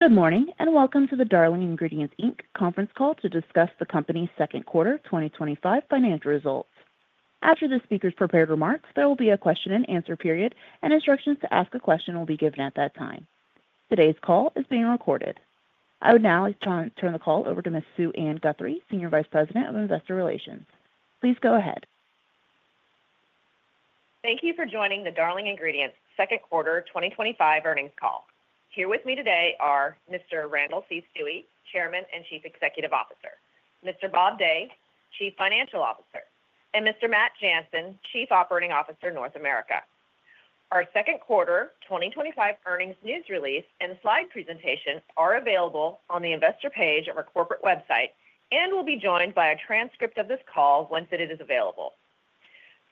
Good morning and welcome to the Darling Ingredients Inc. Conference Call to discuss the company's Second Quarter twenty twenty five Financial Results. Today's call is being recorded. I would now like to turn the call over to Ms. Sue Ann Guthrie, Senior Vice President of Investor Relations. Please go ahead. Thank you for joining the Darling Ingredients second quarter twenty twenty five earnings call. Here with me today are Mr. Randall C. Stewie, Chairman and Chief Executive Officer Mr. Bob Day, Chief Financial Officer and Mr. Matt Jansen, Chief Operating Officer, North America. Our second quarter twenty twenty five earnings news release and slide presentation are available on the Investor page of our corporate website and will be joined by a transcript of this call once it is available.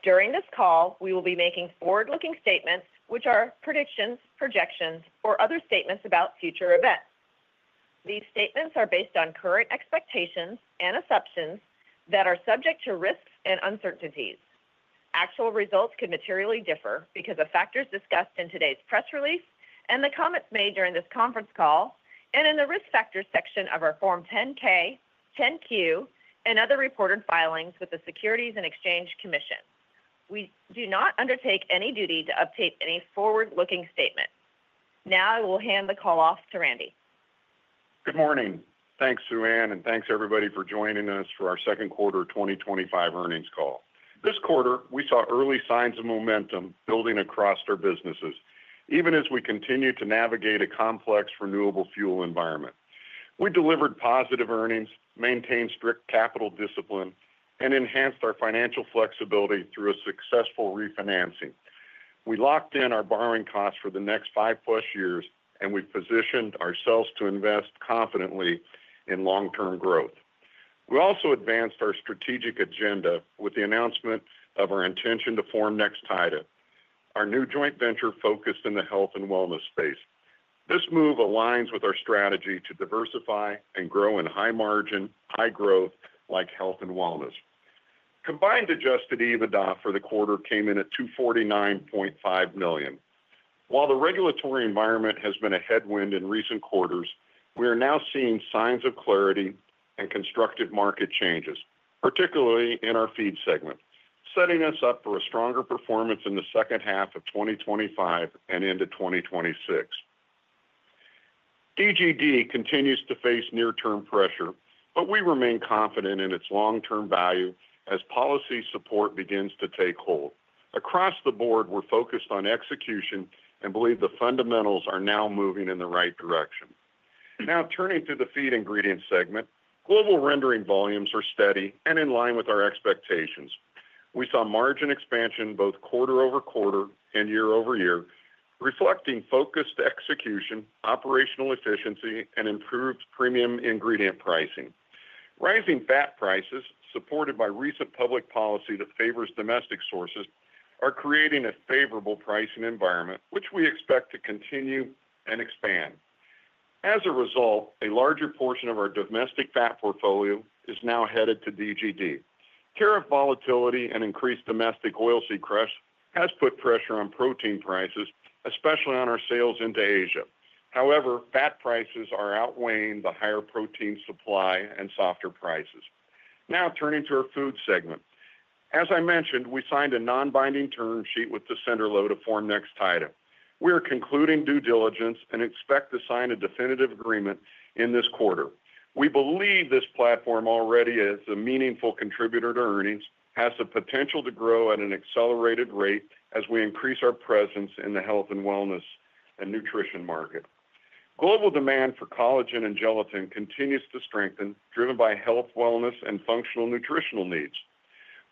During this call, we will be making forward looking statements, which are predictions, projections or other statements about future events. These statements are based on current expectations and assumptions that are subject to risks and uncertainties. Actual results could materially differ because of factors discussed in today's press release and the comments made during this conference call and in the Risk Factors section of our Form 10 ks, 10 Q and other reported filings with the Securities and Exchange Commission. We do not undertake any duty to update any forward looking statements. Now I will hand the call off to Randy. Good morning. Thanks, Sue Ann, and thanks, everybody, for joining us for our second quarter twenty twenty five earnings call. This quarter, we saw early signs of momentum building across our businesses even as we continue to navigate a complex renewable fuel environment. We delivered positive earnings, maintained strict capital discipline and enhanced our financial flexibility through a successful refinancing. We locked in our borrowing costs for the next five plus years and we positioned ourselves to invest confidently in long term growth. We also advanced our strategic agenda with the announcement of our intention to form NexTata, our new joint venture focused in the health and wellness space. This move aligns with our strategy to diversify and grow in high margin, high growth like health and wellness. Combined adjusted EBITDA for the quarter came in at $249,500,000 While the regulatory environment has been a headwind in recent quarters, we are now seeing signs of clarity and constructive market changes, particularly in our Feed segment, setting us up for a stronger performance in the 2025 and into 2026. DGD continues to face near term pressure, but we remain confident in its long term value as policy support begins to take hold. Across the board, we're focused on execution and believe the fundamentals are now moving in the right direction. Now turning to the Feed Ingredients segment. Global rendering volumes are steady and in line with our expectations. We saw margin expansion both quarter over quarter and year over year reflecting focused execution, operational efficiency and improved premium ingredient pricing. Rising fat prices supported by recent public policy that favors domestic sources are creating a favorable pricing environment, which we expect to continue and expand. As a result, a larger portion of our domestic fat portfolio is now headed to DGD. Tariff volatility and increased domestic oilseed crush has put pressure on protein prices, especially on our sales into Asia. However, fat prices are outweighing the higher protein supply and softer prices. Now turning to our Food segment. As I mentioned, we signed a nonbinding term sheet with the sender load to form next item. We are concluding due diligence and expect to sign a definitive agreement in this quarter. We believe this platform already is a meaningful contributor to earnings, has the potential to grow at an accelerated rate as we increase our presence in the health and wellness and nutrition market. Global demand for collagen and gelatin continues to strengthen driven by health, wellness and functional nutritional needs.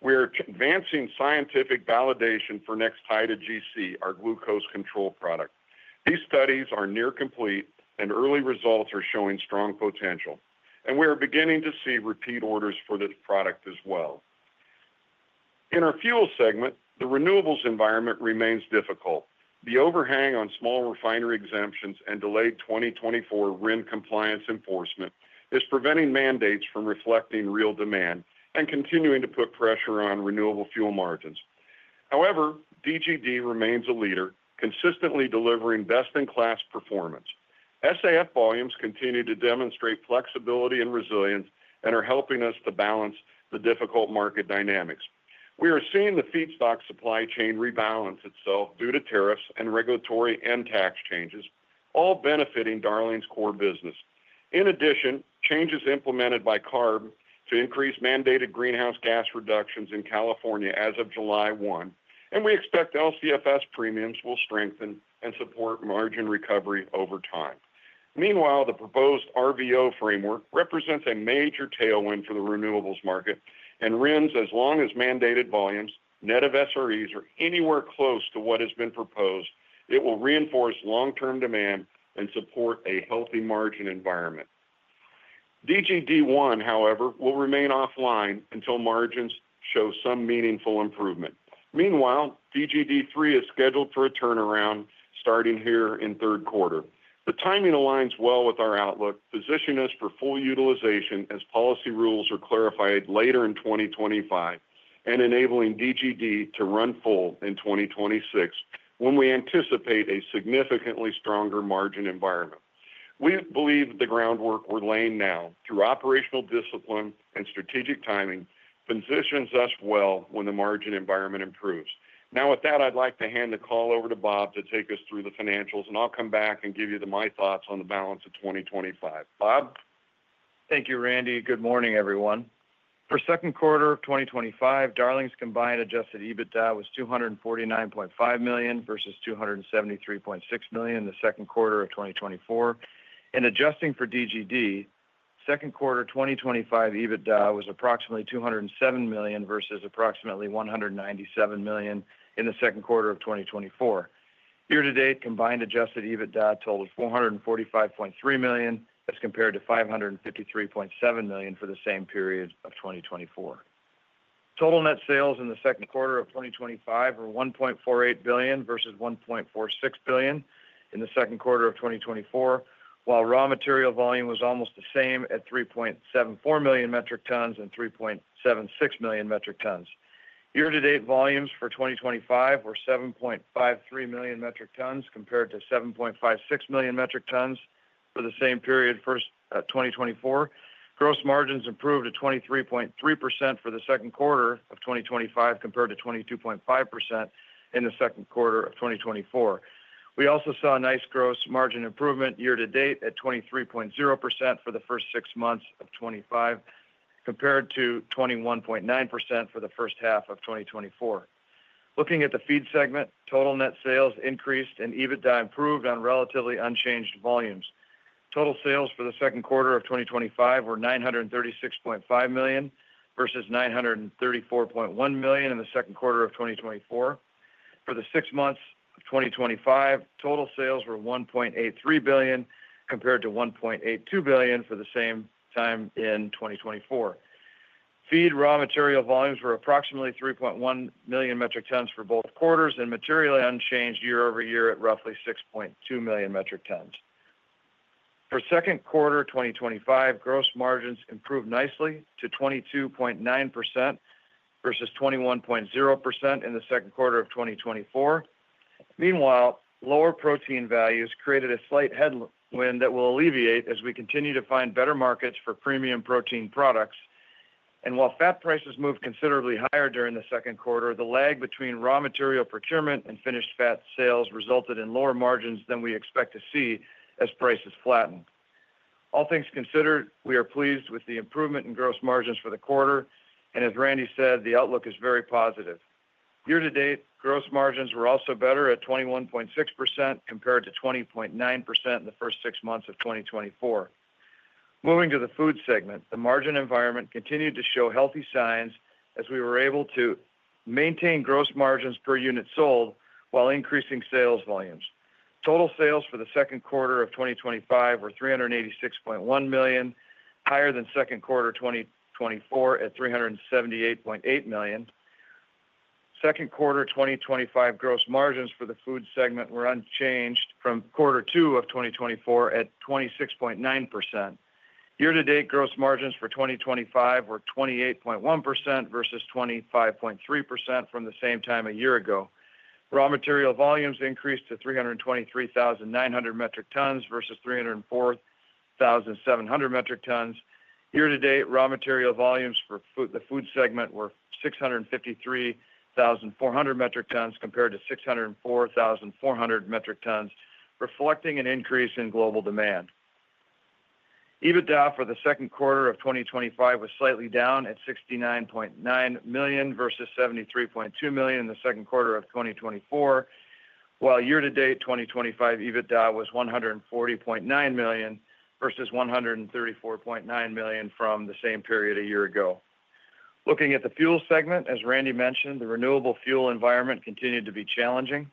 We are advancing scientific validation for NexTyta GC, our glucose control product. These studies are near complete and early results are showing strong potential and we are beginning to see repeat orders for this product as well. In our fuel segment, the renewables environment remains difficult. The overhang on small refinery exemptions and delayed twenty twenty four RIN compliance enforcement is preventing mandates from reflecting real demand and continuing to put pressure on renewable fuel margins. However, DGD remains a leader consistently delivering best in class performance. SAF volumes continue to demonstrate flexibility and resilience and are helping us to balance the difficult market dynamics. We are seeing the feedstock supply chain rebalance itself due to tariffs and regulatory and tax changes all benefiting Darling's core business. In addition, changes implemented by CARB to increase mandated greenhouse gas reductions in California as of July 1 and we expect LCFS premiums will strengthen and support margin recovery over time. Meanwhile, the proposed RVO framework represents a major tailwind for the renewables market and RINs as long as mandated volumes, net of SREs, anywhere close to what has been proposed, it will reinforce long term demand and support a healthy margin environment. DGD1, however, will remain offline until margins show some meaningful improvement. Meanwhile, DGD3 is scheduled for a turnaround starting here in third quarter. The timing aligns well with our outlook, positioning us for full utilization as policy rules are clarified later in 2025 and enabling DGD to run full in 2026 when we anticipate a significantly stronger margin environment. We believe the groundwork we're laying now through operational discipline and strategic timing positions us well when the margin environment improves. Now with that, I'd like to hand the call over to Bob to take us through the financials and I'll come back and give you my thoughts on the balance of 2025. Bob? Thank you, Randy. Good morning, everyone. For second quarter of twenty twenty five, Darling's combined adjusted EBITDA was $249,500,000 versus $273,600,000 in the second quarter of twenty twenty four. And adjusting for DGD, second quarter twenty twenty five EBITDA was approximately $2.00 $7,000,000 versus approximately $197,000,000 in the second quarter of twenty twenty four. Year to date combined adjusted EBITDA totaled $445,300,000 as compared to $553,700,000 for the same period of 2024. Total net sales in the 2025 were $1,480,000,000 versus $1,460,000,000 in the second quarter of twenty twenty four, while raw material volume was almost the same at 3,740,000 metric tons and 3,760,000 metric tons. Year to date volumes for 2025 were 7,530,000 metric tons compared to 7,560,000 metric tons for the same period first twenty twenty four. Gross margins improved to 23.3% for the second quarter twenty twenty five compared to 22.5% in the second quarter of twenty twenty four. We also saw a nice gross margin improvement year to date at 23% for the 2025 compared to twenty one point nine percent for the first half of twenty twenty four. Looking at the Feed segment, total net sales increased and EBITDA improved on relatively unchanged volumes. Total sales for the 2025 were 936,500,000.0 versus $934,100,000 in the second quarter of twenty twenty four. For the six months of 2025, total sales were $1,830,000,000 compared to $1,820,000,000 for the same time in 2024. Feed raw material volumes were approximately 3,100,000 metric tons for both quarters and materially unchanged year over year at roughly 6,200,000 metric tons. For second quarter twenty twenty five, gross margins improved nicely to 22.9% versus 21% in the second quarter of twenty twenty four. Meanwhile, lower protein values created a slight headwind that will alleviate as we continue to find better markets for premium protein products. And while fat prices moved considerably higher during the second quarter, the lag between raw material procurement and finished fat sales resulted in lower margins than we expect to see as prices flatten. All things considered, we are pleased with the improvement in gross margins for the quarter. And as Randy said, the outlook is very positive. Year to date, gross margins were also better at 21.6% compared to twenty point nine percent in the first six months of twenty twenty four. Moving to the Food segment. The margin environment continued to show healthy signs as we were able to maintain gross margins per unit sold while increasing sales volumes. Total sales for the 2025 were $386,100,000 higher than second quarter twenty twenty four at $378,800,000 Second quarter twenty twenty five gross margins for the food segment were unchanged from 2024 at 26.9. Year to date gross margins for 2025 were 28.1% versus 25.3% from the same time a year ago. Raw material volumes increased to 323,900 metric tons versus 304,700 metric tons. Year to date raw material volumes for the food segment were 653,400 metric tons compared to 604,400 metric tons reflecting an increase in global demand. EBITDA for the 2025 was slightly down at $69,900,000 versus $73,200,000 in the second quarter of twenty twenty four, while year to date 2025 EBITDA was $140,900,000 versus $134,900,000 from the same period a year ago. Looking at the fuel segment, as Randy mentioned, the renewable fuel environment continued to be challenging.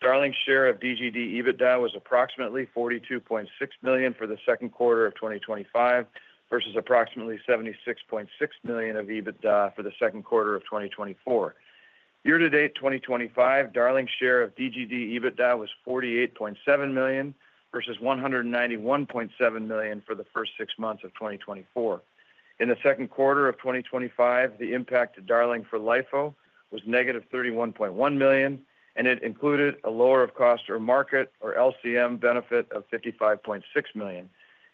Darling's share of DGD EBITDA was approximately $42,600,000 for the 2025 versus approximately $76,600,000 of EBITDA for the second quarter of twenty twenty four. Year to date 2025, Darling's share of DGD EBITDA was $48,700,000 versus $191,700,000 for the first six months of twenty twenty four. In the second quarter of twenty twenty five, the impact to Darling for LIFO was negative $31,100,000 and it included a lower of cost or market or LCM benefit of $55,600,000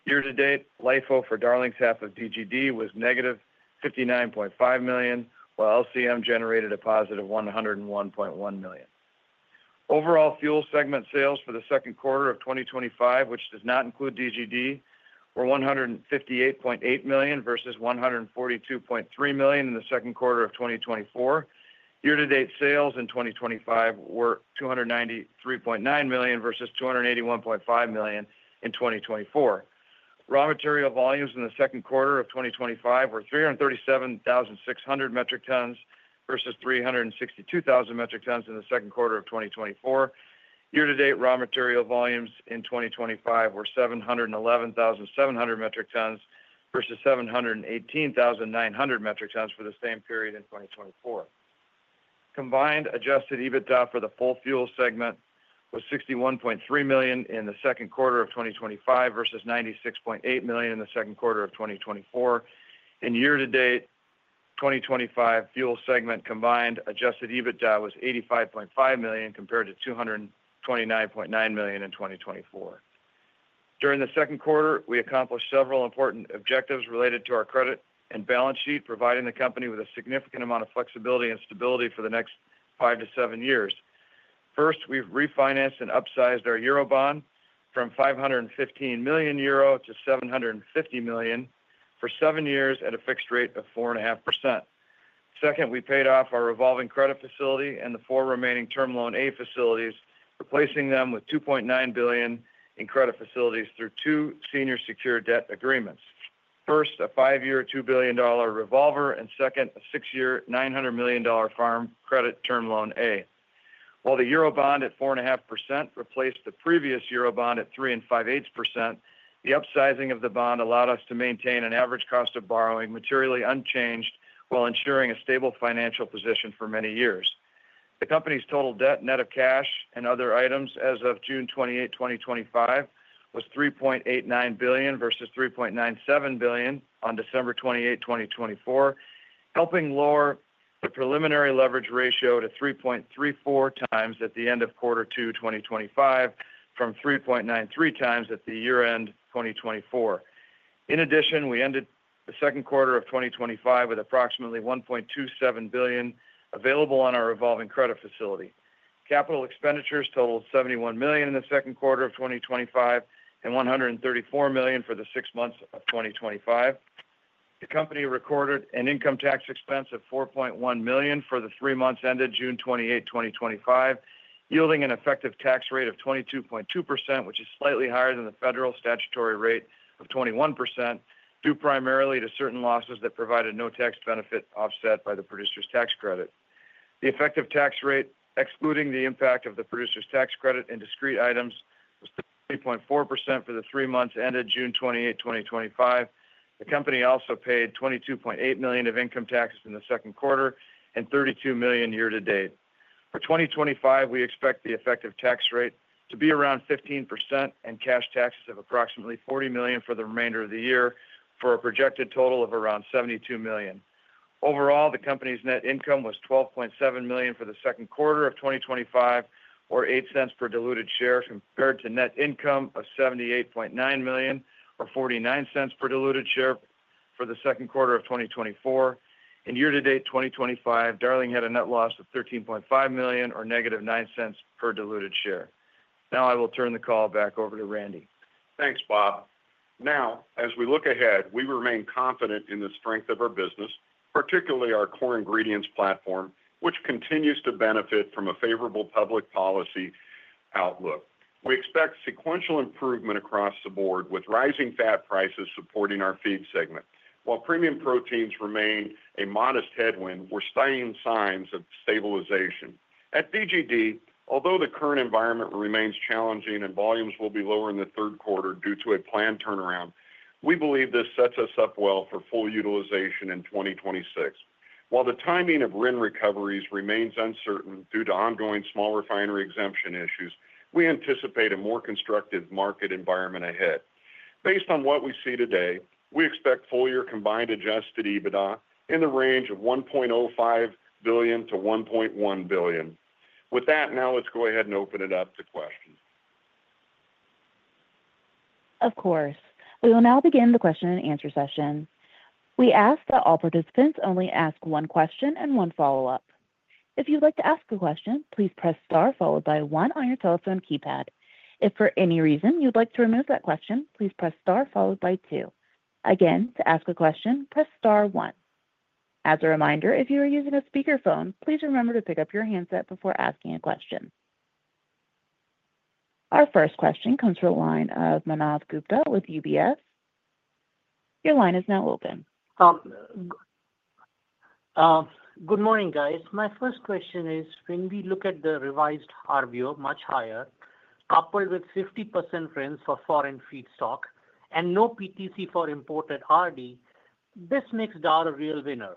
Year to date LIFO for Darling's half of DGD was negative $59,500,000 while LCM generated a positive $101,100,000 Overall fuel segment sales for the second quarter of twenty twenty five, which does not include DGD, were $158,800,000 versus $142,300,000 in the second quarter of twenty twenty four. Year to date sales in 2025 were $293,900,000 versus 281,500,000.0 in 2024. Raw material volumes in the 2025 were 337,600 metric tons versus 362,000 metric tons in the second quarter of twenty twenty four. Year to date raw material volumes in 2025 were 711,700 metric tons versus 718,900 metric tons for the same period in 2024. Combined adjusted EBITDA for the Full Fuel segment was $61,300,000 in the 2025 versus $96,800,000 in the second quarter of twenty twenty four. And year to date 2025 fuel segment combined adjusted EBITDA was $85,500,000 compared to $229,900,000 in 2024. During the second quarter, we accomplished several important objectives related to our credit and balance sheet, providing the company with a significant amount of flexibility and stability for the next five to seven years. First, we've refinanced and upsized our Eurobond from €515,000,000 to €750,000,000 for seven years at a fixed rate of 4.5%. Second, we paid off our revolving credit facility and the four remaining Term Loan A facilities replacing them with $2,900,000,000 in credit facilities through two senior secured debt agreements. First, a five year $2,000,000,000 revolver and second, a six year $900,000,000 farm credit Term Loan A. While the Eurobond at 4.5% replaced the previous Eurobond at 3.8%, the upsizing of the bond allowed us to maintain an average cost of borrowing materially unchanged while ensuring a stable financial position for many years. The company's total debt net of cash and other items as of 06/28/2025 was $3,890,000,000 versus $3,970,000,000 on 12/28/2024, helping lower the preliminary leverage ratio to 3.34 times at the end of quarter two twenty twenty five from 3.93 times at the year end 2024. In addition, we ended the 2025 with approximately 1,270,000,000 available on our revolving credit facility. Capital expenditures totaled $71,000,000 in the 2025 and $134,000,000 for the six months of 2025. The company recorded an income tax expense of 4,100,000 for the three months ended 06/28/2025, yielding an effective tax rate of 22.2%, which is slightly higher than the federal statutory rate of 21% due primarily to certain losses that provided no tax benefit offset by the producer's tax credit. The effective tax rate excluding the impact of the producer's tax credit and discrete items was 3.4% for the three months ended 06/28/2025. The company also paid $22,800,000 of income taxes in the second quarter and $32,000,000 year to date. For 2025, we expect the effective tax rate to be around 15% and cash taxes of approximately $40,000,000 for the remainder of the year for a projected total of around $72,000,000 Overall, the company's net income was $12,700,000 for the 2025 or $08 per diluted share compared to net income of $78,900,000 or $0.49 per diluted share for the second quarter of twenty twenty four. And year to date 2025, Darling had a net loss of $13,500,000 or negative $09 per diluted share. Now I will turn the call back over to Randy. Thanks Bob. Now as we look ahead, we remain confident in the strength of our business, particularly our core ingredients platform, which continues to benefit from a favorable public policy outlook. We expect sequential improvement across the board with rising fat prices supporting our Feed segment. While premium proteins remain a modest headwind, we're studying signs of stabilization. At BGD, although the current environment remains challenging and volumes will be lower in the third quarter due to a planned turnaround, we believe this sets us up well for full utilization in 2026. While the timing of RIN recoveries remains uncertain due to ongoing small refinery exemption issues, we anticipate a more constructive market environment ahead. Based on what we see today, we expect full year combined adjusted EBITDA in the range of €1,050,000,000 to €1,100,000,000 With that, now let's go ahead and open it up to questions. Of course. We will now begin the question and answer session. Our first question comes from the line of Manav Gupta with UBS. Your line is now open. Good morning, guys. My first question is when we look at the revised RVO much higher, coupled with 50% rents for foreign feedstock and no PTC for imported RD, this makes Daul a real winner.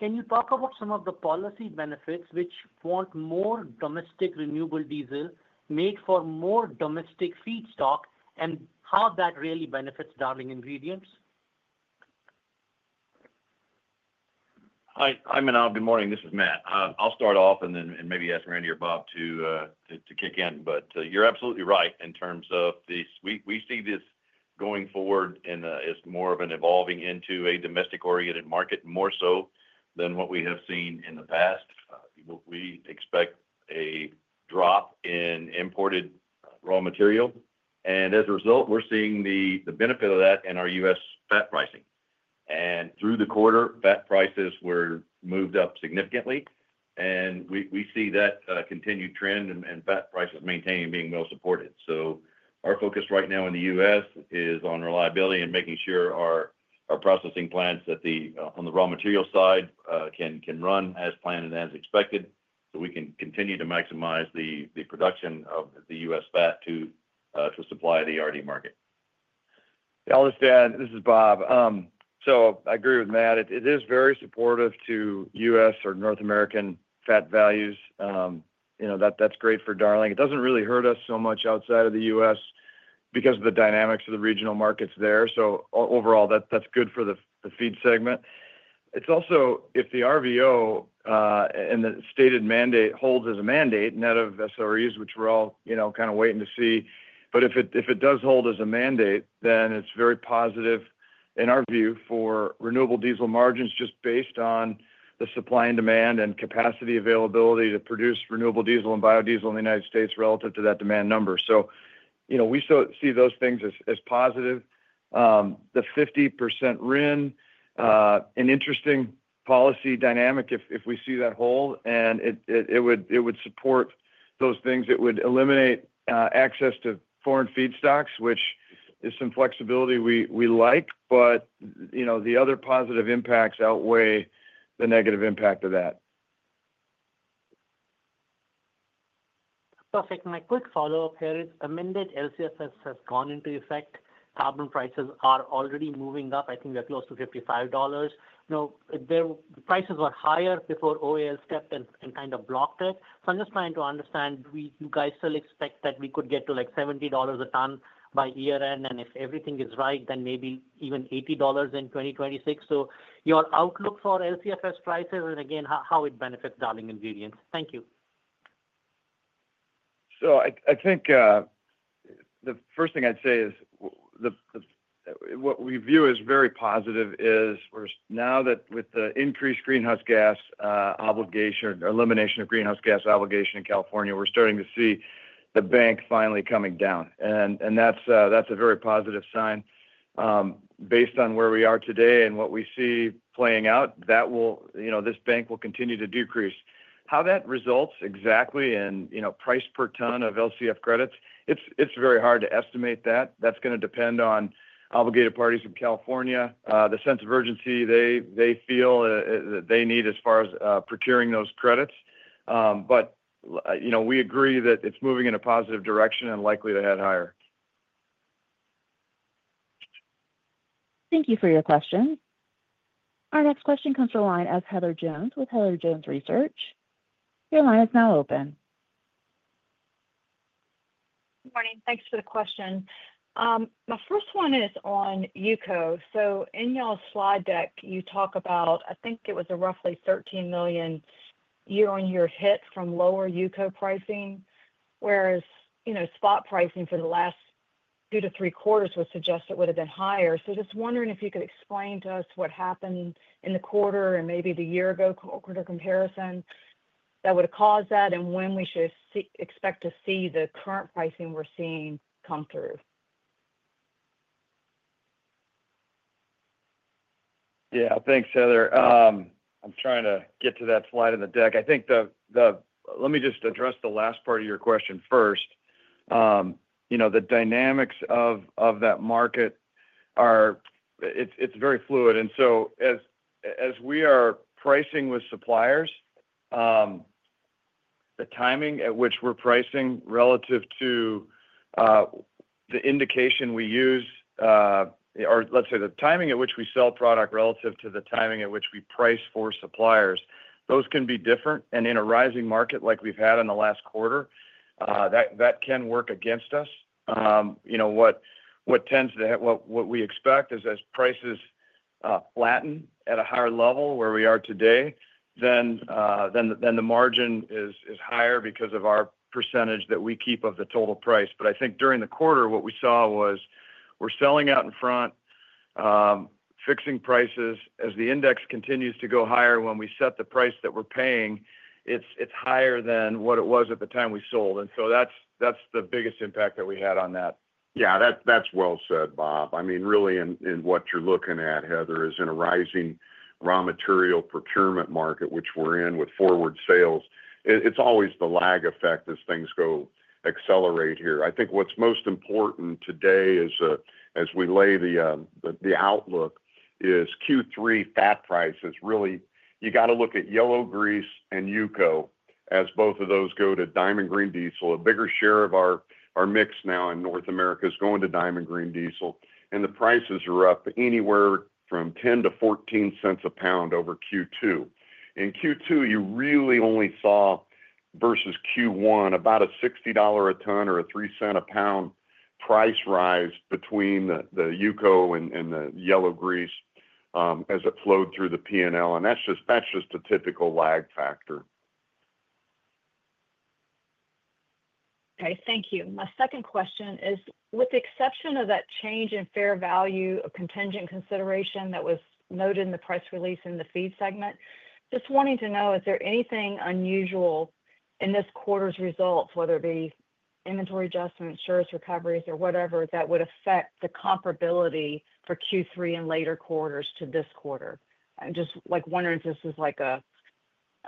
Can you talk about some of the policy benefits which want more domestic renewable diesel made for more domestic feedstock and how that really benefits Darling Ingredients? Hi, Manav. Good morning. This is Matt. I'll start off and then and maybe ask Randy or Bob kick in. But you're absolutely right in terms of the we see this going forward in as more of an evolving into a domestic oriented market more so than what we have seen in the past. We expect a drop in imported raw material. And as a result, we're seeing the benefit of that in our U. S. Fat pricing. And through the quarter, fat prices were moved up significantly. And we see that continued trend and VAP prices maintain being well supported. So our focus right now in The U. S. Is on reliability and making sure our processing plants that the on the raw material side can run as planned and as expected, so we can continue to maximize the production of The U. S. Fat to supply the RD market. I'll just add. This is Bob. So I agree with Matt. It is very supportive to U. S. Or North American fat values. Know, that's great for Darling. It doesn't really hurt us so much outside of The US because of the dynamics of the regional markets there. So overall, that's good for the feed segment. It's also if the RVO and the stated mandate holds as a mandate net of SREs, which we're all kind of waiting to see. But if does hold as a mandate, then it's very positive in our view for renewable diesel margins just based on the supply and demand and capacity availability to produce renewable diesel and biodiesel in The United States relative to that demand number. So we still see those things as positive. The 50% RIN, an interesting policy dynamic if if we see that hole, and it it it would it would support those things. It would eliminate access to foreign feedstocks, which is some flexibility we we like, but, you know, the other positive impacts outweigh the negative impact of that. Perfect. My quick follow-up here is amended LCFS has gone into effect. Carbon prices are already moving up. I think they're close to $55. Now their prices were higher before OAS stepped in and kind of blocked it. So I'm just trying to understand, we you guys still expect that we could get to, like, $70 a ton by year end. And if everything is right, then maybe even $80 in 2026. So your outlook for LCFS prices and, how how it benefits Darling Ingredients? Thank you. So I I think, the first thing I'd say is the the what we view as very positive is we're now that with the increased greenhouse gas, obligation elimination of greenhouse gas obligation in California, we're starting to see the bank finally coming down. And that's a very positive sign. Based on where we are today and what we see playing out, that will you know, this bank will continue to decrease. How that results exactly in, you know, price per ton of LCF credits, it's it's very hard to estimate that. That's gonna depend on obligated parties in California, the sense of urgency they they feel that they need as far as, procuring those credits. But, we agree that it's moving in a positive direction and likely to head higher. Thank you for your question. Our next question comes from the line of Heather Jones with Heather Jones Research. Your line is now open. Good morning. Thanks for the question. My first one is on YUCO. So in your slide deck, you talk about, I think it was a roughly 13,000,000 year on year hit from lower UCO pricing, whereas spot pricing for the last two to three quarters would suggest it would have been higher. So just wondering if you could explain to us what happened in the quarter and maybe the year ago quarter comparison that would have caused that and when we should expect to see the current pricing we're seeing come through? Yeah. Thanks, Heather. I'm trying to get to that slide in the deck. I think the the let me just address the last part of your question first. You know, the dynamics of of that market are it's it's very fluid. And so as as we are pricing with suppliers, the timing at which we're pricing relative to the indication we use or, let's say, the timing at which we sell product relative to to the timing at which we price for suppliers, those can be different. And in a rising market like we've had in the last quarter, that can work against us. What tends to what we expect is as prices flatten at a higher level where we are today, then then then the margin is is higher because of our percentage that we keep of the total price. But I think during the quarter, what we saw was we're selling out in front, fixing prices. As the index continues to go higher when we set the price that we're paying, it's it's higher than what it was at the time we sold. And so that's that's the biggest impact that we had on that. Yes. That's well said, Bob. I mean, really, in what you're looking at, Heather, is in a rising raw material procurement market, which we're in with forward sales, it's always the lag effect as things go accelerate here. I think what's most important today is, as we lay the, the the outlook is q three fat prices really you gotta look at Yellowgrease and YUCO as both of those go to Diamond Green Diesel. A bigger share of our our mix now in North America is going to Diamond Green Diesel, and the prices are up anywhere from 10 to 14¢ a pound over q two. In q two, you really only saw versus q one about a $60 a ton or a 3¢ a pound price rise between the the YUKO and and the yellow grease, as it flowed through the p and l. And that's just that's just a typical lag factor. Okay. Thank you. My second question is with the exception of that change in fair value of contingent consideration that was noted in the press release in the feed segment, just wanting to know is there anything unusual in this quarter's results, whether it be inventory adjustment, insurance recoveries, or whatever that would affect the comparability for q three and later quarters to this quarter? I'm just, like, wondering if this is like a,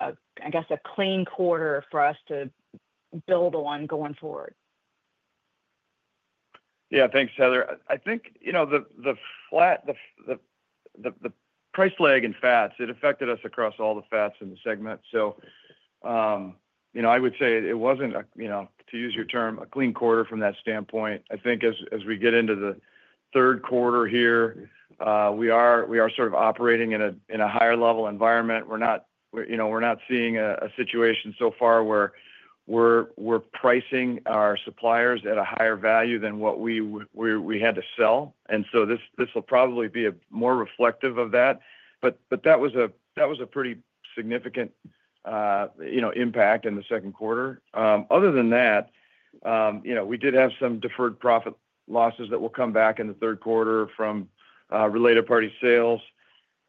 a, I guess, a clean quarter for us to build on going forward. Yeah. Thanks, Heather. I think, you know, the the flat the the the the price lag in fats, it affected us across all the fats in the segment. So, you know, I would say it wasn't, you know, to use your term, a clean quarter from that standpoint. I think as as we get into the third quarter here, we are we are sort of operating in a in a higher level environment. We're not, We're not seeing a situation so far where we're pricing our suppliers at a higher value than what we had to sell. And so this will probably be more reflective of that. But that was a pretty significant impact in the second quarter. Other than that, we did have some deferred profit losses that will come back in the third quarter from related party sales.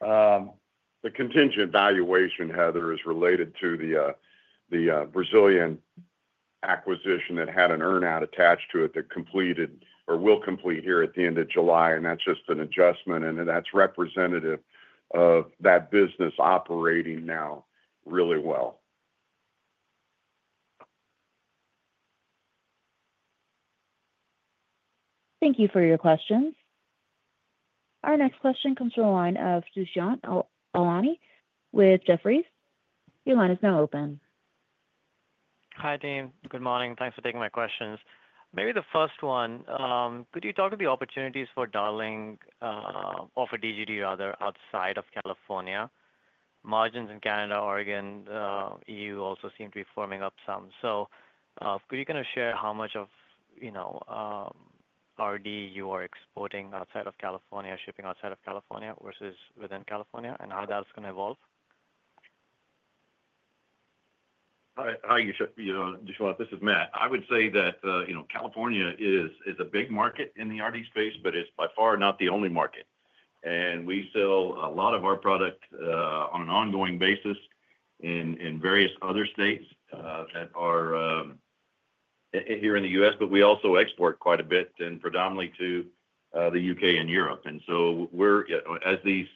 The contingent valuation Heather is related to the Brazilian acquisition that had an earn out attached to it that completed or will complete here at the July, and that's just an adjustment. And then that's representative of that business operating now really well. Thank you for your questions. Our next question comes from the line of Dushyant Aloni with Jefferies. Your line is now open. Hi, team. Good morning. Thanks for taking my questions. Maybe the first one, could you talk to the opportunities for Darling or for DGD rather outside of California? Margins in Canada, Oregon, EU also seem to be forming up some. So could you kind of share how much of RD you are exporting outside of California, shipping outside of California versus within California and how that's going to evolve? Hi, Gishwat. This is Matt. I would say that, you know, California is is a big market in the RD space, but it's by far not the only market. And we sell a lot of our product, on an ongoing basis in various other states that are here in The U. S, but we also export quite a bit and predominantly to The U. And Europe. And so we're as these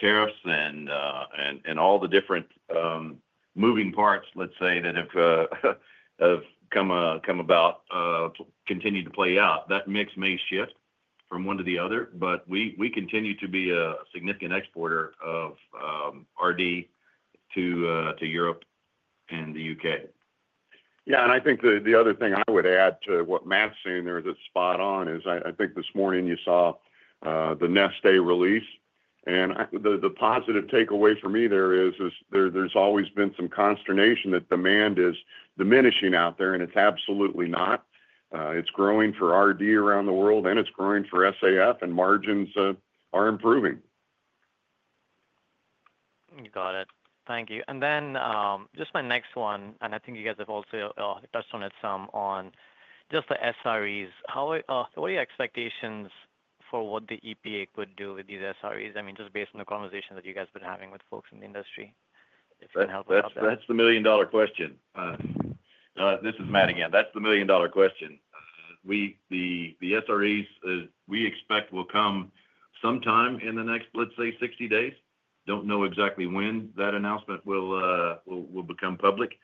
tariffs and and all the different moving parts, let's say, that have have come come about continue to play out, that mix may shift from one to the other. But we we continue to be a significant exporter of, RD to, to Europe and The UK. Yeah. And I think the the other thing I would add to what Matt's saying there that's spot on is I I think this morning you saw, the Nest Day release. And the positive takeaway for me there is there's always been some consternation that demand is diminishing out there, and it's absolutely not. It's growing for RD around the world, and it's growing for SAF, and margins are improving. Got it. Thank you. And then just my next one, and I think you guys have also touched on it some on just the SREs. How are your expectations for what the EPA could do with these SREs? I mean, just based on the conversation that you guys have been having with folks in the industry, if you That's can help us out the million dollar question. This is Matt again. That's the million dollar question. We the SREs, we expect will come sometime in the next, let's say, sixty days. Don't know exactly when that announcement will will become public.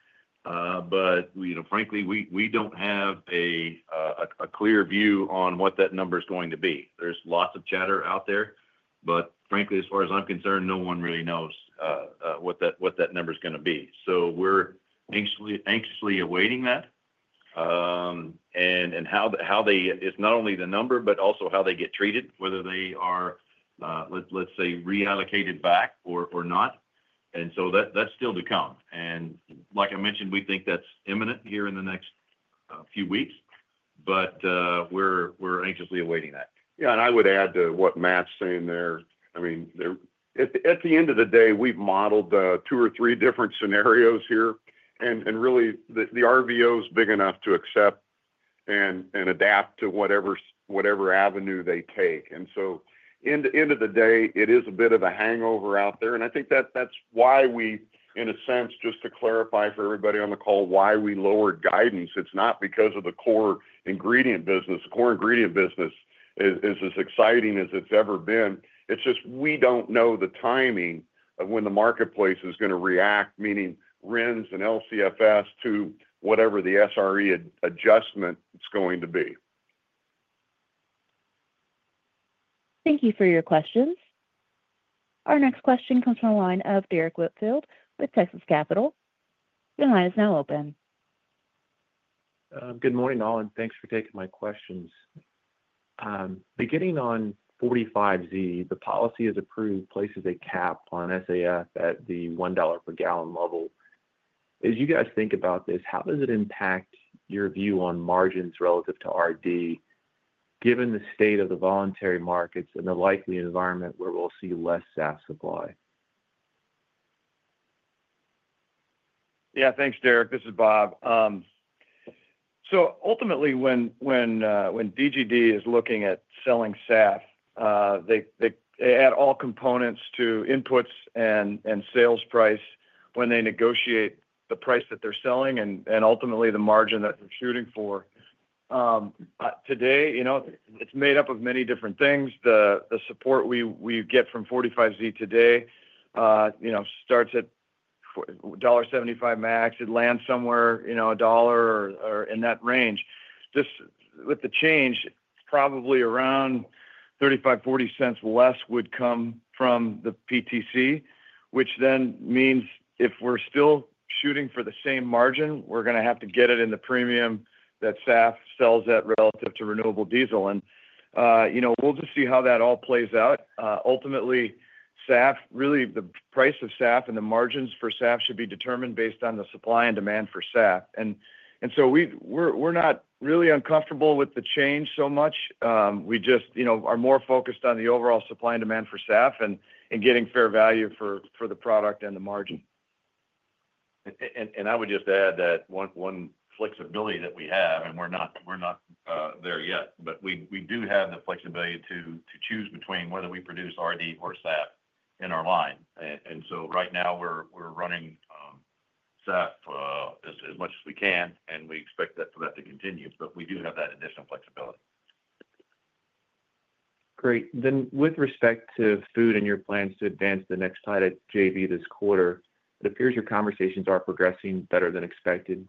But, you know, frankly, we we don't have a a a clear view on what that number is going to be. There's lots of chatter out there. But frankly, far as I'm concerned, no one really knows what that what that number is gonna be. So we're anxiously anxiously awaiting that. And and how how they it's not only the number, but also how they get treated, whether they are, let's say, reallocated back or not. And so that's still to come. And like I mentioned, we think that's imminent here in the next few weeks, but we're anxiously awaiting that. Yeah. And I would add to what Matt's saying there. I mean, there at at the end of the day, we've modeled, two or three different scenarios here. And and, really, the the RVO is big enough to accept and and adapt to whatever whatever avenue they take. And so end end of the day, it is a bit of a hangover out there. And I think that that's why we in a sense, just to clarify for everybody on the call, why we lowered guidance. It's not because of the core ingredient business. Core ingredient business is is as exciting as it's ever been. It's just we don't know the timing of when the marketplace is gonna react, meaning RINs and LCFS to whatever the SRE adjustment is going to be. Thank you for your questions. Our next question comes from the line of Derrick Whitfield with Texas Capital. Your line is now open. Good morning all and thanks for taking my questions. Beginning on 45Z, the policy is approved places a cap on SAF at the $1 per gallon level. As you guys think about this, how does it impact your view on margins relative to RD given the state of the voluntary markets and the likely environment where we'll see less SaaS supply? Yeah. Thanks, Derek. This is Bob. So ultimately, when when when DGD is looking at selling SaaS, they they they add all components to inputs and and sales price when they negotiate the price that they're selling and and ultimately the margin that they're shooting for. But today, you know, it's made up of many different things. The the support we we get from 45 z today, you know, starts at dollar 75 max. It lands somewhere, you know, a dollar or in that range. Just with the change, probably around $35.40 cents less would come from the PTC, which then means if we're still shooting for the same margin, we're gonna have to get it in the premium that SAF sells at relative to renewable diesel. And, you know, we'll just see how that all plays out. Ultimately, SAF really the price of SAF and the margins for SAF should be determined based on the supply and demand for SAF. So we're not really uncomfortable with the change so much. We just are more focused on the overall supply and demand for SAF and getting fair value for for the product and the margin. And and I would just add that one one flexibility that we have, and we're not we're not, there yet, but we we do have the flexibility to to choose between whether we produce RD or SAF in our line. And and so right now, we're we're running SAP as as much as we can, and we expect that for that to continue, but we do have that additional flexibility. Great. Then with respect to Food and your plans to advance the next tied at JV this quarter, it appears your conversations are progressing better than expected.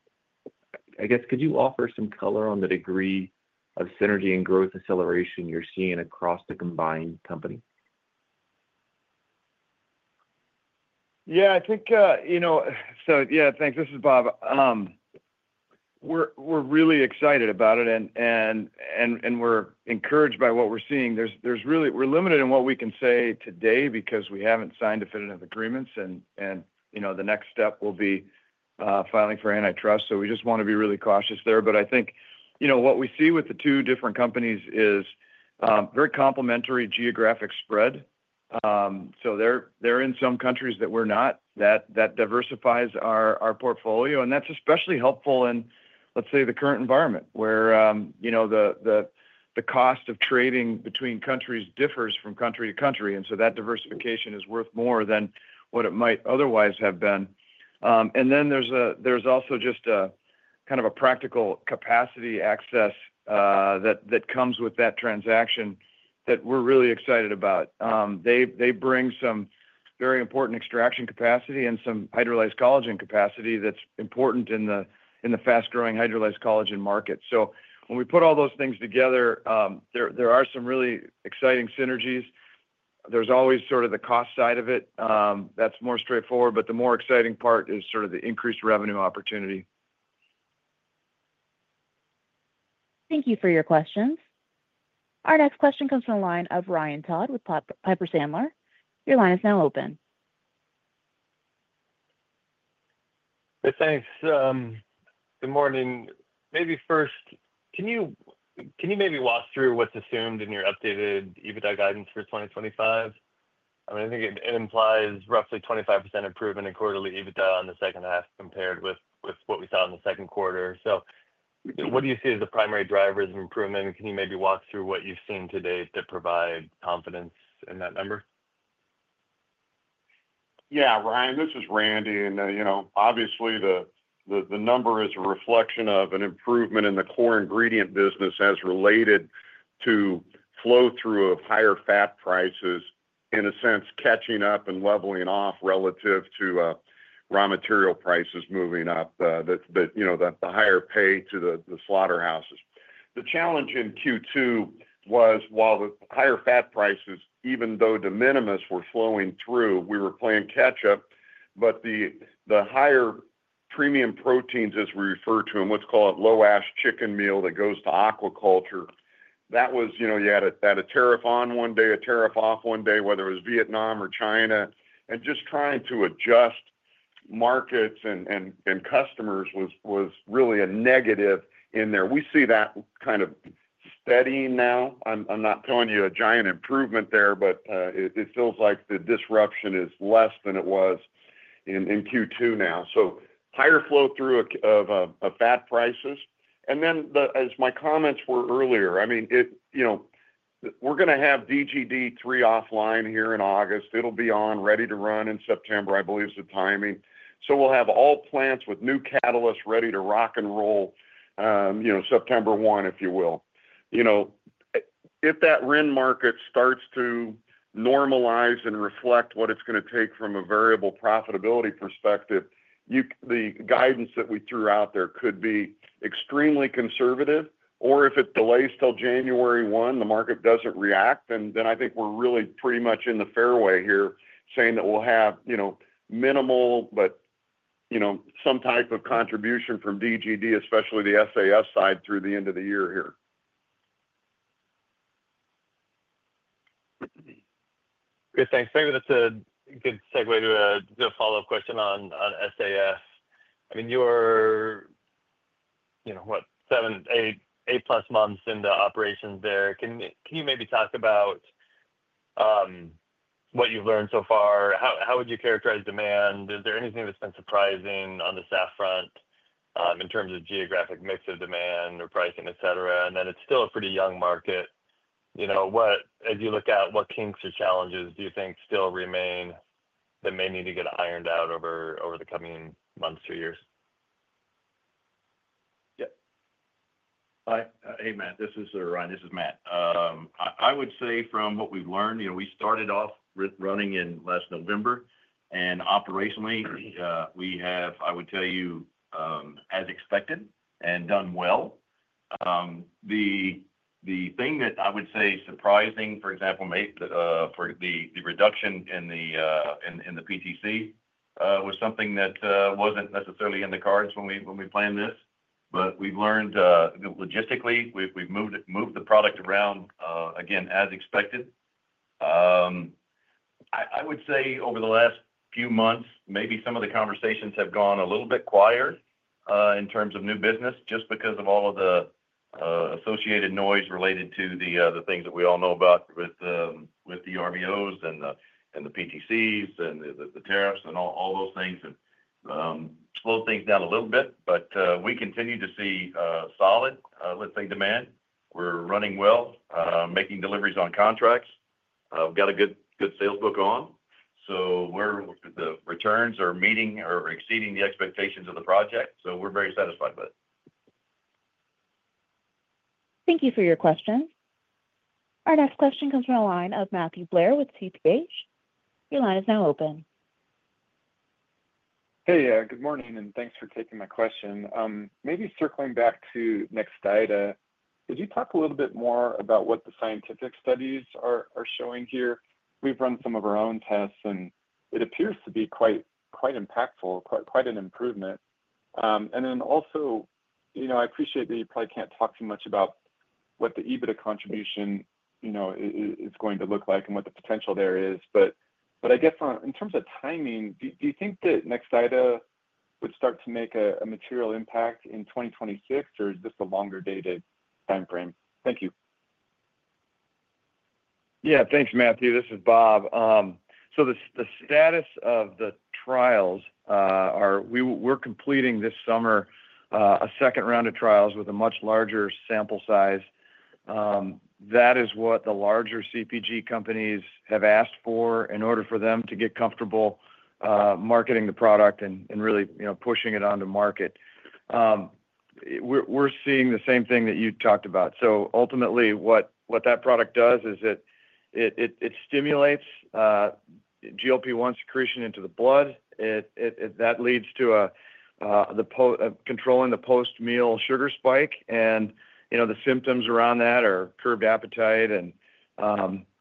I guess could you offer some color on the degree of synergy and growth acceleration you're seeing across the combined company? Yeah. I think, you know so yeah. Thanks. This is Bob. We're we're really excited about it, and and and and we're encouraged by what we're seeing. There's there's really we're limited in what we can say today because we haven't signed definitive agreements, and and, you know, the next step will be filing for antitrust. So we just wanna be really cautious there. But I think, you know, what we see with the two different companies is very complimentary geographic spread. So they're they're in some countries that we're not. That that diversifies our our portfolio, and that's especially helpful in, let's say, the current environment where, you know, the the the cost of trading between countries differs from country to country, and so that diversification is worth more than what it might otherwise have been. And then there's a there's also just a kind of a practical capacity access, that that comes with that transaction that we're really excited about. They they bring some very important extraction capacity and some hydrolyzed collagen capacity that's important in the in the fast growing hydrolyzed collagen market. So when we put all those things together, there there are some really exciting synergies. There's always sort of the cost side of it. That's more straightforward, but the more exciting part is sort of the increased revenue opportunity. Thank you for your questions. Our next question comes from the line of Ryan Todd with Piper Sandler. Your line is now open. Thanks. Good morning. Maybe first, can you can you maybe walk through what's assumed in your updated EBITDA guidance for 2025? I mean, I think it it implies roughly 25% improvement in quarterly EBITDA on the second half compared with with what we saw in the second quarter. So what do you see as the primary drivers of improvement? Can you maybe walk through what you've seen to date that provide confidence in that number? Yeah. Ryan, this is Randy. And, you know, obviously, the the number is a reflection of an improvement in the core ingredient business as related to flow through of higher fat prices, in a sense, catching up and leveling off relative to raw material prices moving up, the you know, the the higher pay to the the slaughterhouses. The challenge in q two was while the higher fat prices, even though de minimis were flowing through, we were playing catch up, But the the higher premium proteins as we refer to them, let's call it low ash chicken meal that goes to aquaculture, that was you know, you had a had a tariff on one day, a tariff off one day, whether it was Vietnam or China. And just trying to adjust markets and and and customers was was really a negative in there. We see that kind of steady now. I'm I'm not telling you a giant improvement there, but, it it feels like the disruption is less than it was in in q two now. So higher flow through of fat prices. And then the as my comments were earlier, I mean, you know, we're gonna have DGD three offline here in August. It'll be on ready to run-in September, I believe, is the timing. So we'll have all plants with new catalysts ready to rock and roll, you know, September 1, if you will. You know, if that RIN market starts to normalize and reflect what it's gonna take from a variable profitability perspective, you the guidance that we threw out there could be extremely conservative. Or if it delays till January 1, the market doesn't react, then then I think we're really pretty much in the fairway here saying that we'll have, you know, minimal, but, you know, some type of contribution from DGD, especially the SAS side through the end of the year here. K. Thanks. Maybe that's a good segue to a the follow-up question on on SAS. I mean, you're, you know, what, seven, eight, eight plus months in the operations there. Can can you maybe talk about what you've learned so far? How how would you characterize demand? Is there anything that's been surprising on the staff front in terms of geographic mix of demand or pricing, etcetera? And then it's still a pretty young market. You know, what as you look out, what kinks or challenges do you think still remain that may need to get ironed out over over the coming months or years? Yep. Hi. Hey, Matt. This is Ryan. This is Matt. I I would say from what we've learned, you know, we started off with running in last November. And operationally, we have, I would tell you, as expected and done well. The the thing that I would say surprising, for example, mate, for the the reduction in the, in in the PTC, was something that, wasn't necessarily in the cards when we when we planned this. But we've learned logistically. We've we've moved moved the product around, again, as expected. I I would say over the last few months, maybe some of the conversations have gone a little bit quieter in terms of new business just because of all of the associated noise related to the things that we all know about with the RVOs and the PTCs and the tariffs and all those things and slow things down a little bit. But, we continue to see, solid, let's say, demand. We're running well, making deliveries on contracts. We've got a good good sales book on. So we're the returns are meeting or exceeding the expectations of the project. So we're very satisfied with it. Thank you for your question. Our next question comes from the line of Matthew Blair with Your line is now open. Hey, good morning, and thanks for taking my question. Maybe circling back to NEXTYDA, could you talk a little bit more about what the scientific studies are showing here? We've run some of our own tests, it appears to be quite quite impactful, quite quite an improvement. And then also, you know, I appreciate that you probably can't talk too much about what the EBITDA contribution, you know, is going to look like and what the potential there is. But but I guess, in terms of timing, do do you think that Nexidia would start to make a a material impact in 2026, or is this a longer dated time frame? Thank you. Yeah. Thanks, Matthew. This is Bob. So the the status of the trials are we we're completing this summer a second round of trials with a much larger sample size. That is what the larger CPG companies have asked for in order for them to get comfortable marketing the product and really pushing it on to market. We're we're seeing the same thing that you talked about. So, ultimately, what what that product does is it it it stimulates GLP one secretion into the blood. It it it that leads to the the post meal sugar spike, and, you know, the symptoms around that are curved appetite and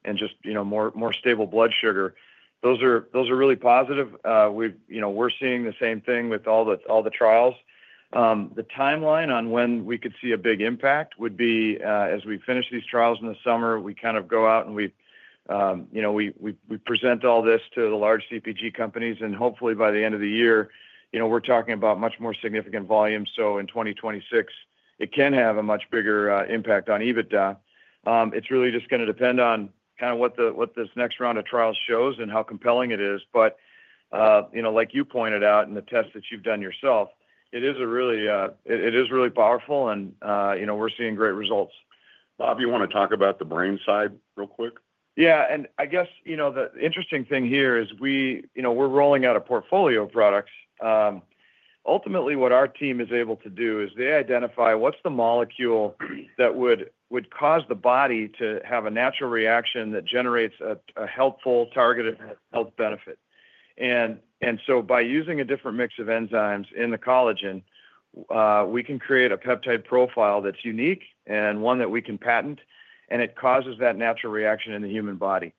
and just, you know, more more stable blood sugar. Those are those are really positive. We've you know, we're seeing the same thing with all the all the trials. The timeline on when we could see a big impact would be as we finish these trials in the summer, we kind of go out and we, you know, we we present all this to the large CPG companies. And hopefully, the end of the year, you know, we're talking about much more significant volume. So in 2026, it can have a much bigger impact on EBITDA. It's really just gonna depend on kinda what the what this next round of trials shows and how compelling it is. But, you know, like you pointed out in the tests that you've done yourself, it is a really it it is really powerful, and, you know, we're seeing great results. Bob, you wanna talk about the brain side real quick? Yeah. And I guess, you know, the interesting thing here is we you know, we're rolling out a portfolio of products. Ultimately, what our team is able to do is they identify what's the molecule that would would cause the body to have a natural reaction that generates a a helpful targeted health benefit. And and so by using a different mix of enzymes in the collagen, we can create a peptide profile that's unique and one that we can patent, and it causes that natural reaction in the human body.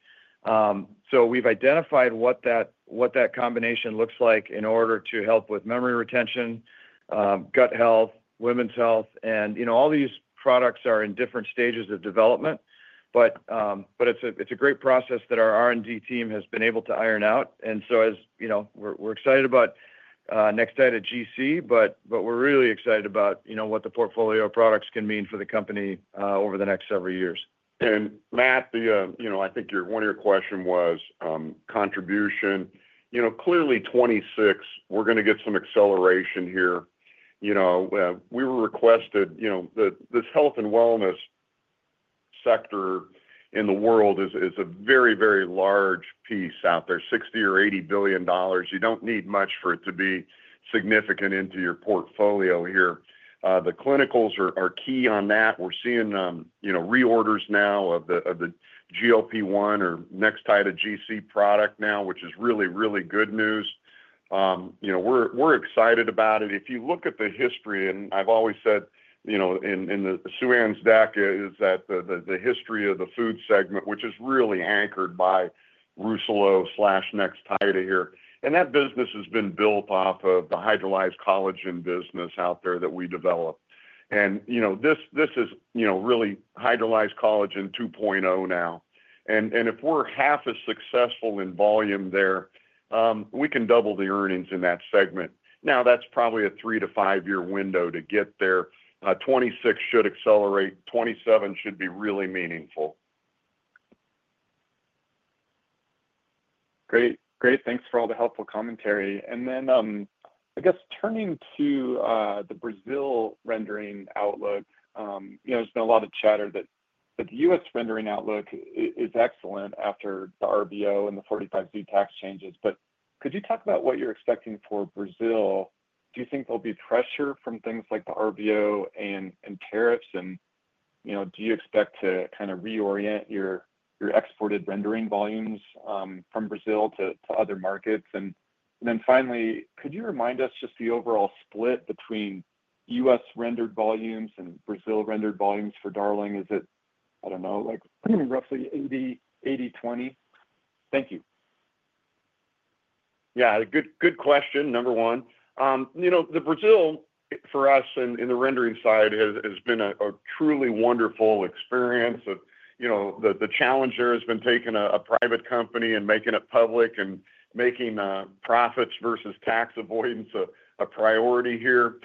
So we've identified what that what that combination looks like in order to help with memory retention, gut health, women's health, and, you know, all these products are in different stages of development. But but it's a it's a great process that our r and d team has been able to iron out. And so as, you know, we're we're excited about, next side of GC, but but we're really excited about, you know, what the portfolio of products can mean for the company, over the next several years. And, Matt, the, you know, I think your one of your question was, contribution. You know, clearly, '26, we're gonna get some acceleration here. You know, we were requested, you know, that this health and wellness sector in the world is is a very, very large piece out there, 60 or $80,000,000,000. You don't need much for it to be significant into your portfolio here. The clinicals are are key on that. We're seeing, you know, reorders now of the of the GLP one or next tied to GC product now, which is really, really good news. You know, we're we're excited about it. If you look at the history, and I've always said, you know, in in the Sue Ann's deck is that the the the history of the food segment, which is really anchored by Rousselot slash next tidy here. And that business has been built off of the hydrolyzed collagen business out there that we develop. And this is really hydrolyzed collagen two point zero now. If we're half as successful in volume there, we can double the earnings in that segment. Now that's probably a three to five year window to get there. 'twenty six should accelerate. 'twenty seven should be really meaningful. Great. Great. Thanks for all the helpful commentary. And then, I guess, turning to, the Brazil rendering outlook. You know, there's been a lot of chatter that that The US rendering outlook is excellent after the RVO and the 45 z tax changes. But could you talk about what you're expecting for Brazil? Do you think there'll be pressure from things like the RVO and and tariffs? And, do you expect to kind of reorient your exported rendering volumes from Brazil to other markets? And then finally, could you remind us just the overall split between US rendered volumes and Brazil rendered volumes for Darling? Is it, I don't know, like, roughly $80.80 20? Thank you. Yeah. Good good question, number one. You know, the Brazil for us in in the rendering side has has been a a truly wonderful experience of you know, the the challenger has been taking a a private company and making it public and making profits versus tax avoidance a priority here,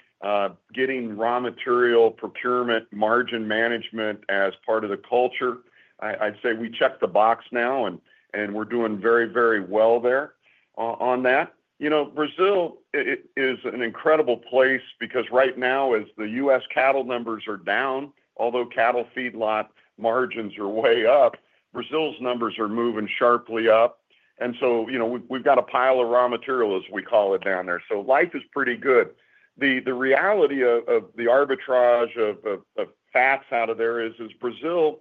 getting raw material procurement margin management as part of the culture. I'd say we check the box now and we're doing very, very well there on that. Brazil is an incredible place because right now as The U. S. Cattle numbers are down, although cattle feedlot margins are way up, Brazil's numbers are moving sharply up. And so we've got a pile of raw material, as we call it, down there. So life is pretty good. The reality of the arbitrage of fats out of there is Brazil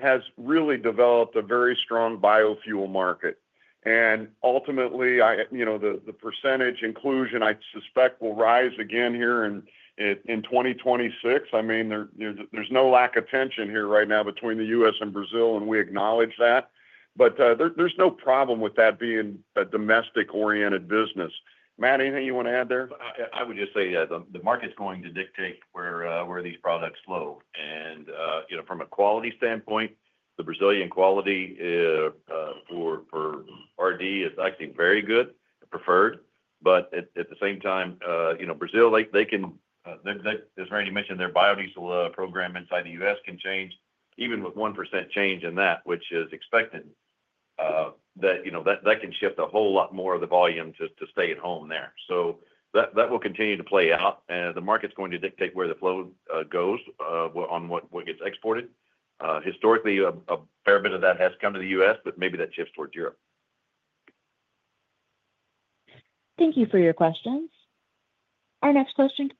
has really developed a very strong biofuel market. And ultimately, I you know, the the percentage inclusion, suspect, will rise again here in in 2026. I mean, there there's there's no lack of tension here right now between The US and Brazil, and we acknowledge that. But there's no problem with that being a domestic oriented business. Matt, anything you want to add there? I would just say the market's going to dictate where these products flow. And from a quality standpoint, the Brazilian quality, for for RD is actually very good, preferred. But at at the same time, you know, Brazil, like, they can they they as Randy mentioned, their biodiesel program inside The US can change even with 1% change in that, which is expected. That, you know, that that can shift a whole lot more of the volume to to stay at home there. So that that will continue to play out, and the market's going to dictate where the flow goes on what what gets exported. Historically, fair bit of that has come to The U. S, but maybe that shifts towards Europe. Thank you for your questions. Our next question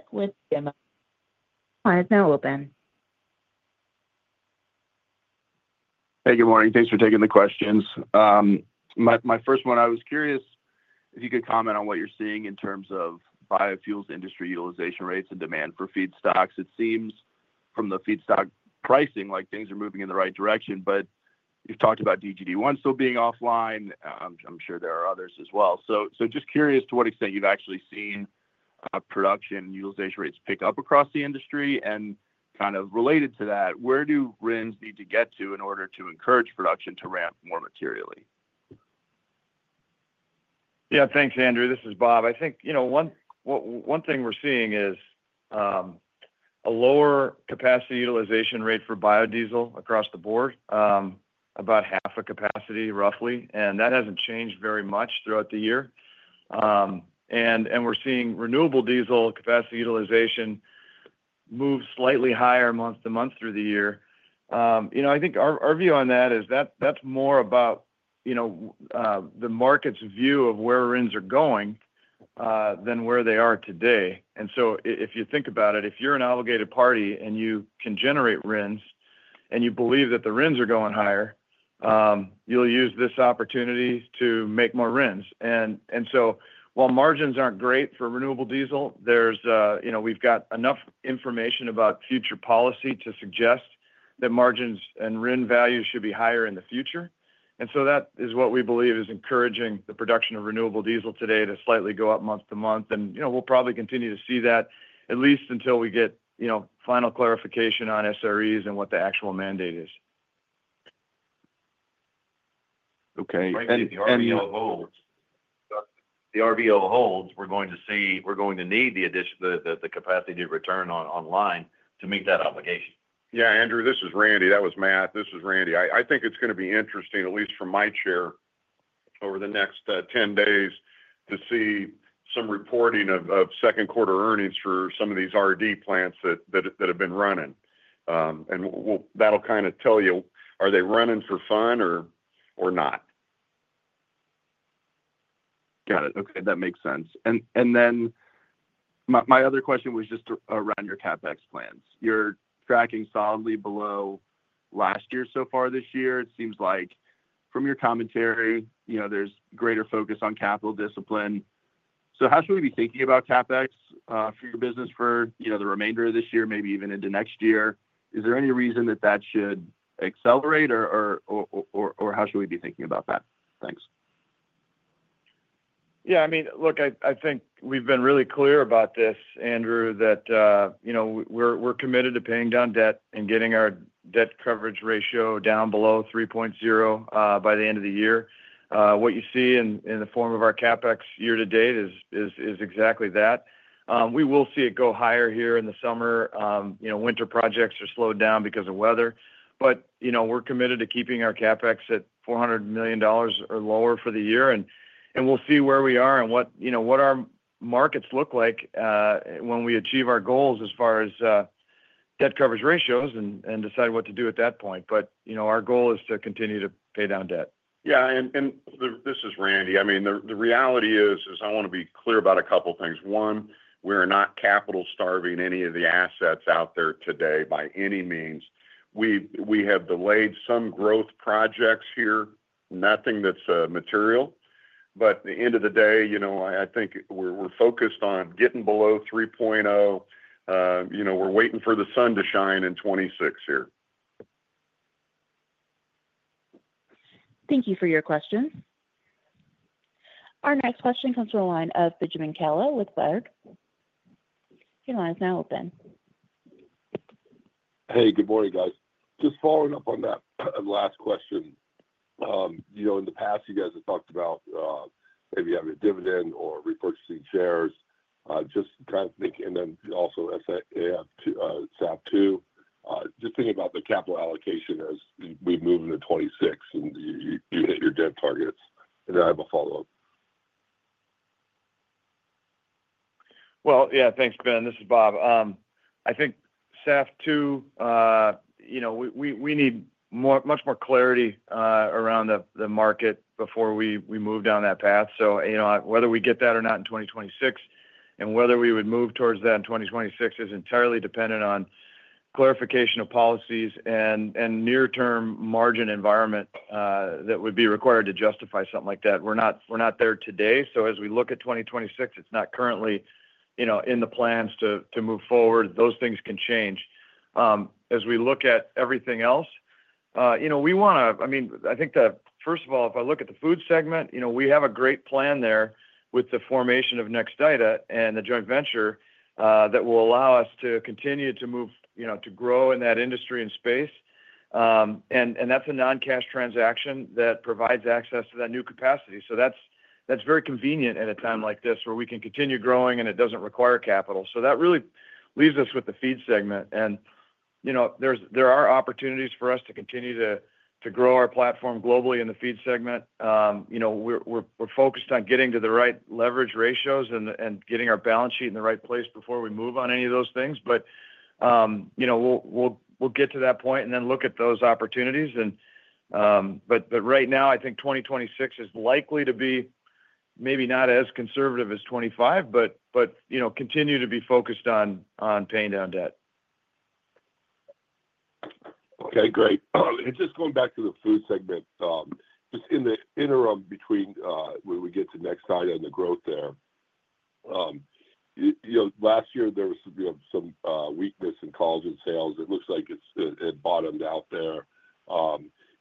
comes from line with BMO. Your line is now open. Hey, good morning. Thanks for taking the questions. My first one, I was curious if you could comment on what you're seeing in terms of biofuels industry utilization rates and demand for feedstocks. It seems from the feedstock pricing like things are moving in the right direction, but you've talked about DGD-one still being offline. I'm sure there are others as well. So just curious to what extent you've actually seen production utilization rates pick up across the industry? And kind of related to that, where do RINs need to get to in order to encourage production to ramp more materially? Yes. Thanks, Andrew. This is Bob. I think one thing we're seeing is a lower capacity utilization rate for biodiesel across the board, about half the capacity roughly. And that hasn't changed very much throughout the year. And we're seeing renewable diesel capacity utilization move slightly higher month to month through the year. Know, I think our view on that is that that's more about, you know, the market's view of where RINs are going than where they are today. And so if you think about it, if you're an obligated party and you can generate RINs and you believe that the RINs are going higher, you'll use this opportunity to make more RINs. And and so while margins aren't great for renewable diesel, there's a you know, we've got enough information about future policy to suggest that margins and RIN value should be higher in the future. And so that is what we believe is encouraging the the production of renewable diesel today to slightly go up month to month. And we'll probably continue to see that at least until we get final clarification on SREs and what the actual mandate is. Okay. The RVO holds, we're going to see we're going to need the addition the the the capacity to return on online to meet that obligation. Yeah. Andrew, this is Randy. That was Matt. This is Randy. I I think it's gonna be interesting, at least from my chair, over the next, ten days to see some reporting of of second quarter earnings for some of these RD plants that that that have been running. And we'll that'll kinda tell you, are they running for fun or or not? Got it. Okay. That makes sense. And and then my my other question was just around your CapEx plans. You're tracking solidly below last year so far this year. It seems like from your commentary there's greater focus on capital discipline. So how should we be thinking about CapEx for your business for the remainder of this year, maybe even into next year? Is there any reason that that should accelerate or how should we be thinking about that? Thanks. Yeah. I mean, look, I think we've been really clear about this, Andrew, that, you know, we're committed to paying down debt and getting our debt coverage ratio down below three point zero, by the end of the year. What you see in in the form of our CapEx year to date is is is exactly that. We will see it go higher here in the summer. You know, winter projects are slowed down because of weather. But we're committed to keeping our CapEx at $400,000,000 or lower for the year, and we'll see where we are and what our markets look like when we achieve our goals as far as debt coverage ratios and decide what to do at that point. But our goal is to continue to pay down debt. Yeah. And this is Randy. I mean, reality is I want to be clear about a couple of things. One, we are not capital starving any of the assets out there today by any means. We have delayed some growth projects here, nothing that's material. But at the end of the day, you know, I think we're focused on getting below three point zero. We're waiting for the sun to shine in 2026 here. Thank you for your question. Our next question comes from the line of Benjamin Kelle with Baird. Your line is now open. Hey, good morning, guys. Just following up on that last question. In the past, you guys have talked about maybe having a dividend or repurchasing shares. Just trying to think and then also SAF two. Just thinking about the capital allocation as we move into '26 and you hit your debt targets. And then I have a follow-up. Well, yeah. Thanks, Ben. This is Bob. I think, SAF two, you know, we we we need more much more clarity, around the the market before we we move down that path. So, you know, whether we get that or not in 2026 and whether we would move towards that in 2026 is entirely dependent on clarification of policies and and near term margin environment that would be required to justify something like that. We're not we're not there today. So as we look at 2026, it's not currently, you know, in the plans to to move forward. Those things can change. As we look at everything else, you know, we wanna I mean, I think that first of all, if I look at the food segment, you know, we have a great plan there with the formation of Nexidia and the joint venture that will allow us to continue to move you know, to grow in that industry and space. And and that's a noncash transaction that provides access to that new capacity. So that's that's very convenient at a time like this where we can continue growing and it doesn't require capital. So that really leaves us with the feed segment. And, you know, there's there are opportunities for us to continue to to grow our platform globally in the feed segment. You know, we're we're we're focused on getting to the right leverage ratios and and getting our balance sheet in the right place before we move on any of those things. But, you know, we'll we'll we'll get to that point and then look at those opportunities. And but but right now, think 2026 is likely to be maybe not as conservative as '25, but, know, continue to be focused on on paying down debt. Okay. Great. And just going back to the food segment, just in the interim between when we get to next side on the growth there, last year there was some weakness in collagen sales. It looks like it's it bottomed out there.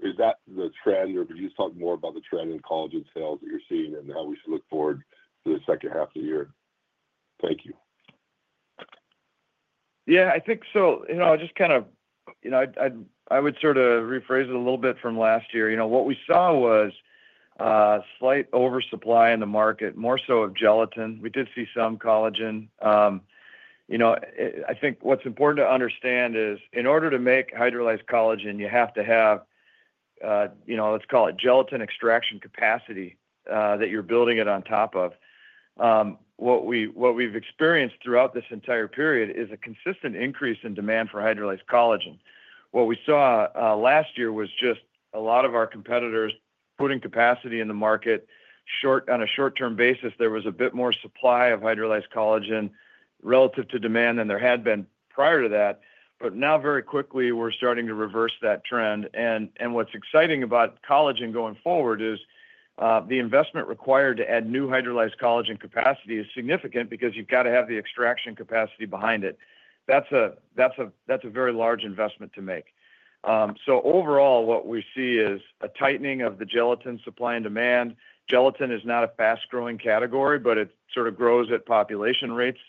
Is that the trend? Or could you just talk more about the trend in collagen sales that you're seeing and how we should look forward to the second half of the year? Thank you. Yeah. I think so. You know, I just kind of you know, I'd I'd I would sort of rephrase it a little bit from last year. You know, what we saw was a slight oversupply in the market, more so of gelatin. We did see some collagen. You know, I think what's important to understand is in order to make hydrolyzed collagen, you have to have, you know, let's call it gelatin extraction capacity that you're building it on top of. What we what we've experienced throughout this entire period is a consistent increase in demand for hydrolyzed collagen. What we saw last year was just a lot of our competitors putting capacity in the market short on a short term basis. There was a bit more supply of hydrolyzed collagen relative to demand than there had been prior to that. But now very quickly, we're starting to reverse that trend. And what's exciting about collagen going forward is the investment required to add new hydrolyzed collagen capacity is significant because you've got to have the extraction capacity behind it. That's a that's a that's a very large investment to make. So overall, what we see is a tightening of the gelatin supply and demand. Gelatin is not a fast growing category, but it sort of grows at population rates.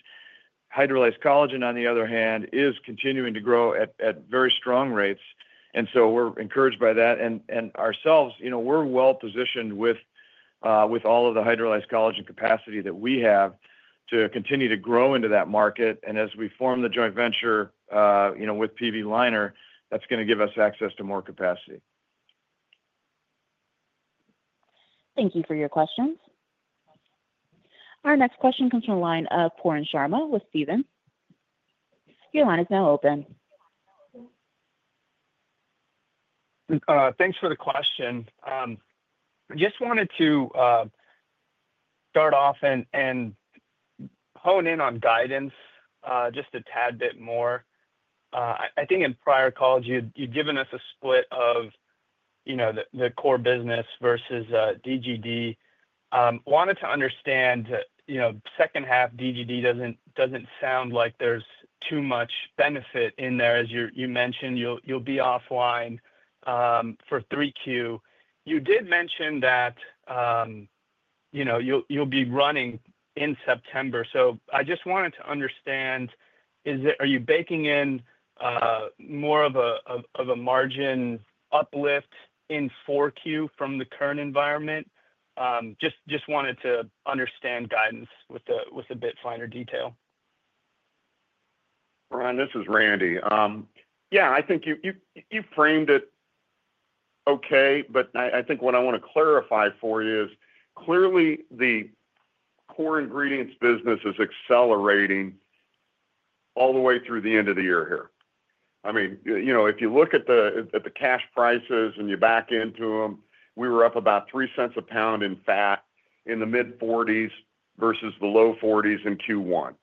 Hydrolyzed collagen, on the other hand, is continuing to grow at at very strong rates, and so we're encouraged by that. And and ourselves, you know, we're well positioned with all of the hydrolyzed collagen capacity that we have to continue to grow into that market. And as we form the joint venture, you know, with PV liner, that's going to give us access to more capacity. Thank you for your questions. Our next question comes from the line of Porn Sharma with Stephens. Your line is now open. Thanks for the question. I just wanted to start off and and hone in on guidance, just a tad bit more. I I think in prior calls, you'd you'd given us a split of, you know, the the core business versus DGD. Wanted to understand, you know, second half DGD doesn't doesn't sound like there's too much benefit in there. As you're you mentioned, you'll you'll be offline for 3Q. You did mention that you'll be running in September. So I just wanted to understand, are you baking in more of a margin uplift in 4Q from the current environment? Just wanted to understand guidance with a bit finer detail. Ron, this is Randy. Yeah. I think you framed it okay, but I I think what I wanna clarify for you is, clearly, the core ingredients business is accelerating all the way through the end of the year here. I mean, you know, if you look at cash prices and you back into them, we were up about 3¢ a pound in fat in the mid forties versus the low forties in q one.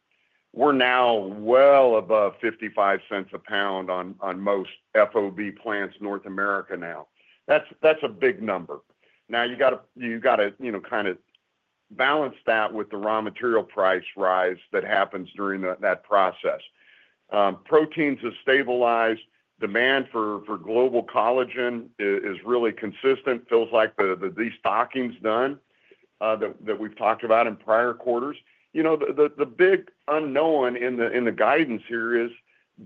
We're now well above 55¢ a pound on on most FOB plants North America now. That's that's a big number. Now you gotta you gotta, you know, kinda balance that with the raw material price rise that happens during that that process. Proteins have stabilized. Demand for for global collagen is really consistent. Feels like the the destocking's done, that that we've talked about in prior quarters. You know, the the the big unknown in the in the guidance here is,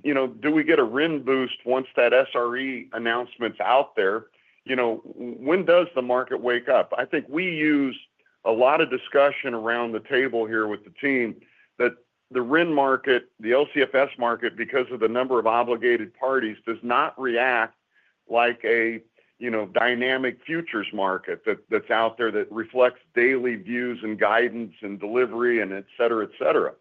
you know, do we get a RIN boost once that SRE announcement's out there? You know, when does the market wake up? I think we use a lot of discussion around the table here with the team that the RIN market, the LCFS market, because of the number of obligated parties, does not react like a, you know, dynamic futures market that that's out there that reflects daily views and guidance and delivery and etcetera, etcetera.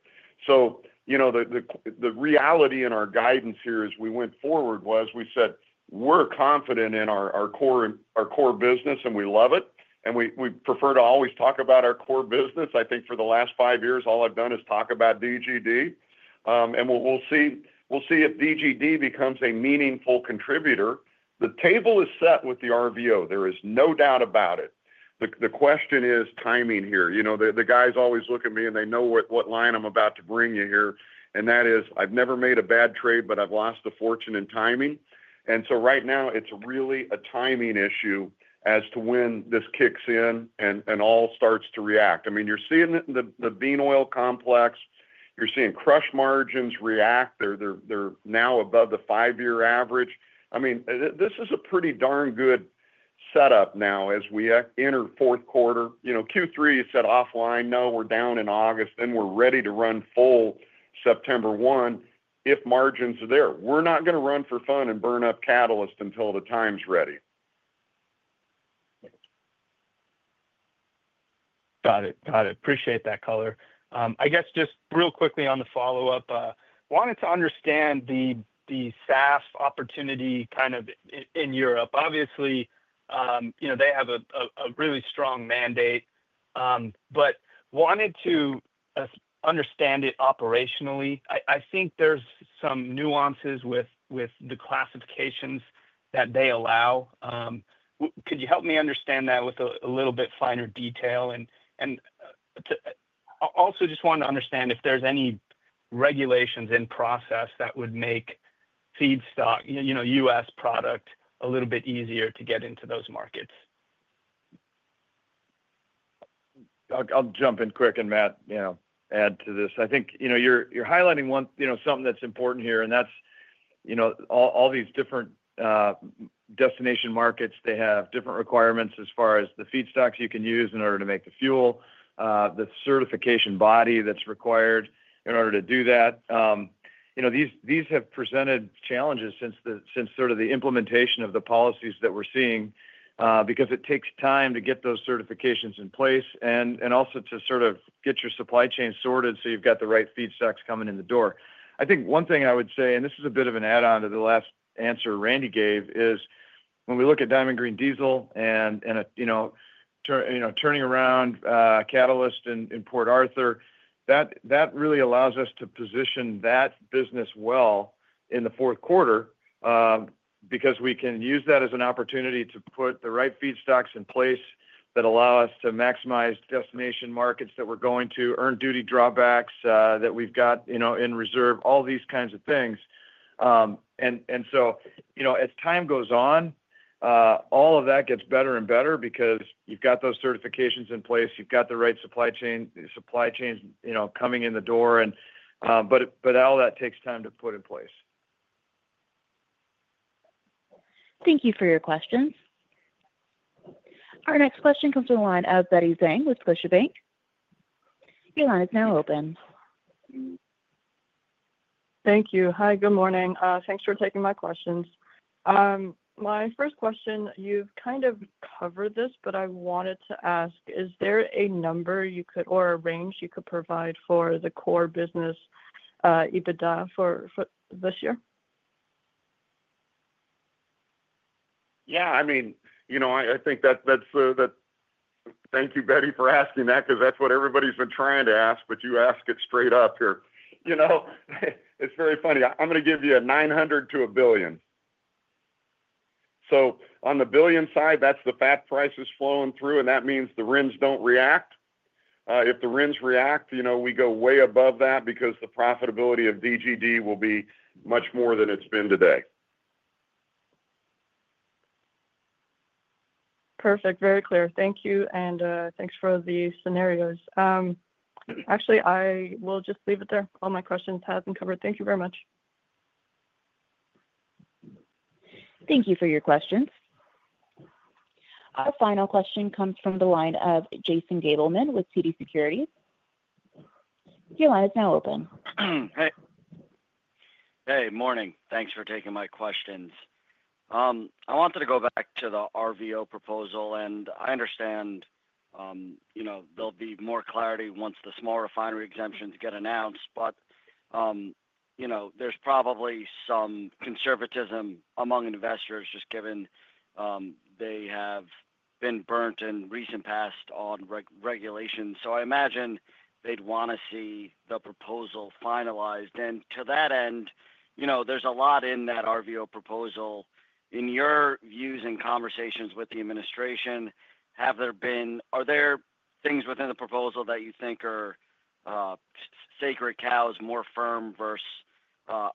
So the reality in our guidance here as we went forward was we said we're confident in our core business and we love it. And we prefer to always talk about our core business. I think for the last five years, all I've done is talk about DGD. And we'll we'll see we'll see if DGD becomes a meaningful contributor. The table is set with the RVO. There is no doubt about it. The the question is timing here. You know, the the guys always look at me, and they know what what line I'm about to bring you here. And that is, I've never made a bad trade, but I've lost a fortune in timing. And so right now, it's really a timing issue as to when this kicks in and and all starts to react. I mean, you're seeing the the bean oil complex. You're seeing crush margins react. They're they're they're now above the five year average. I mean, this is a pretty darn good setup now as we enter fourth quarter. You know, q three, you said offline, no. We're down in August, and we're ready to run full September one if margins are there. We're not gonna run for fun and burn up catalyst until the time's ready. Got it. Got it. Appreciate that color. I guess just real quickly on the follow-up. Wanted to understand the the SaaS opportunity kind of in Europe. Obviously, you know, they have a a a really strong mandate, but wanted to understand it operationally. I I think there's some nuances with with the classifications that they allow. Could you help me understand that with a a little bit finer detail? And and also just wanted to understand if there's any regulations in process that would make feedstock, you you know, US product a little bit easier to get into those markets. I'll jump in quick and Matt, you know, add to this. I think, you know, you're you're highlighting one you know, something that's important here, that's, you know, all all these different destination markets. They have different requirements as far as the feedstocks you can use in order to make the fuel, the certification body that's required in order to do that. You know, these these have presented challenges since the since sort of the implementation of the policies that we're seeing because it takes time to get those certifications in place and and also to sort of get your supply chain sorted so you've got the right feed stocks coming in the door. I think one thing I would say, and this is a bit of an add on to the last answer Randy gave, is we look at Diamond Green Diesel and and, you know, turning around Catalyst in in Port Arthur, that that really allows us to position that business well in the fourth quarter because we can use that as an opportunity to put the right feedstocks in place that allow us to maximize destination markets that we're going to, earn duty drawbacks that we've got, you know, in reserve, all these kinds of things. And and so, you know, as time goes on, all of that gets better and better because you've got those certifications in place. You've got the right supply chain supply chains, you know, coming in the door and but but all that takes time to put in place. Thank you for your questions. Our next question comes from the line of Betty Zhang with Scotiabank. Your line is now open. Thank you. Hi. Good morning. Thanks for taking my questions. My first question, you've kind of covered this, but I wanted to ask, is there a number you could or a range you could provide for the core business EBITDA for for this year? Yeah. I mean, you know, I I think that that's the that thank you, Betty, for asking that because that's what everybody's been trying to ask, but you ask it straight up here. You know? It's very funny. I'm gonna give you a 900 to a billion. So on the billion side, that's the fat prices flowing through, and that means the RINs don't react. If the RINs react, you know, we go way above that because the profitability of DGD will be much more than it's been today. Perfect. Very clear. Thank you, and thanks for the scenarios. Actually, I will just leave it there. All my questions have been covered. Thank you very much. Thank you for your questions. Our final question comes from the line of Jason Gabelman with TD Securities. Your line is now open. Hey. Hey. Morning. Thanks for taking my questions. I wanted to go back to the RVO proposal, and I understand, you know, there'll be more clarity once the small refinery exemptions get announced. But, you know, there's probably some conservatism among investors just given they have been burnt in recent past on regulations. So I imagine they'd wanna see the proposal finalized. And to that end, you know, there's a lot in that RVO proposal. In your views and conversations with the administration, have there been are there things within the proposal that you think are sacred cows more firm versus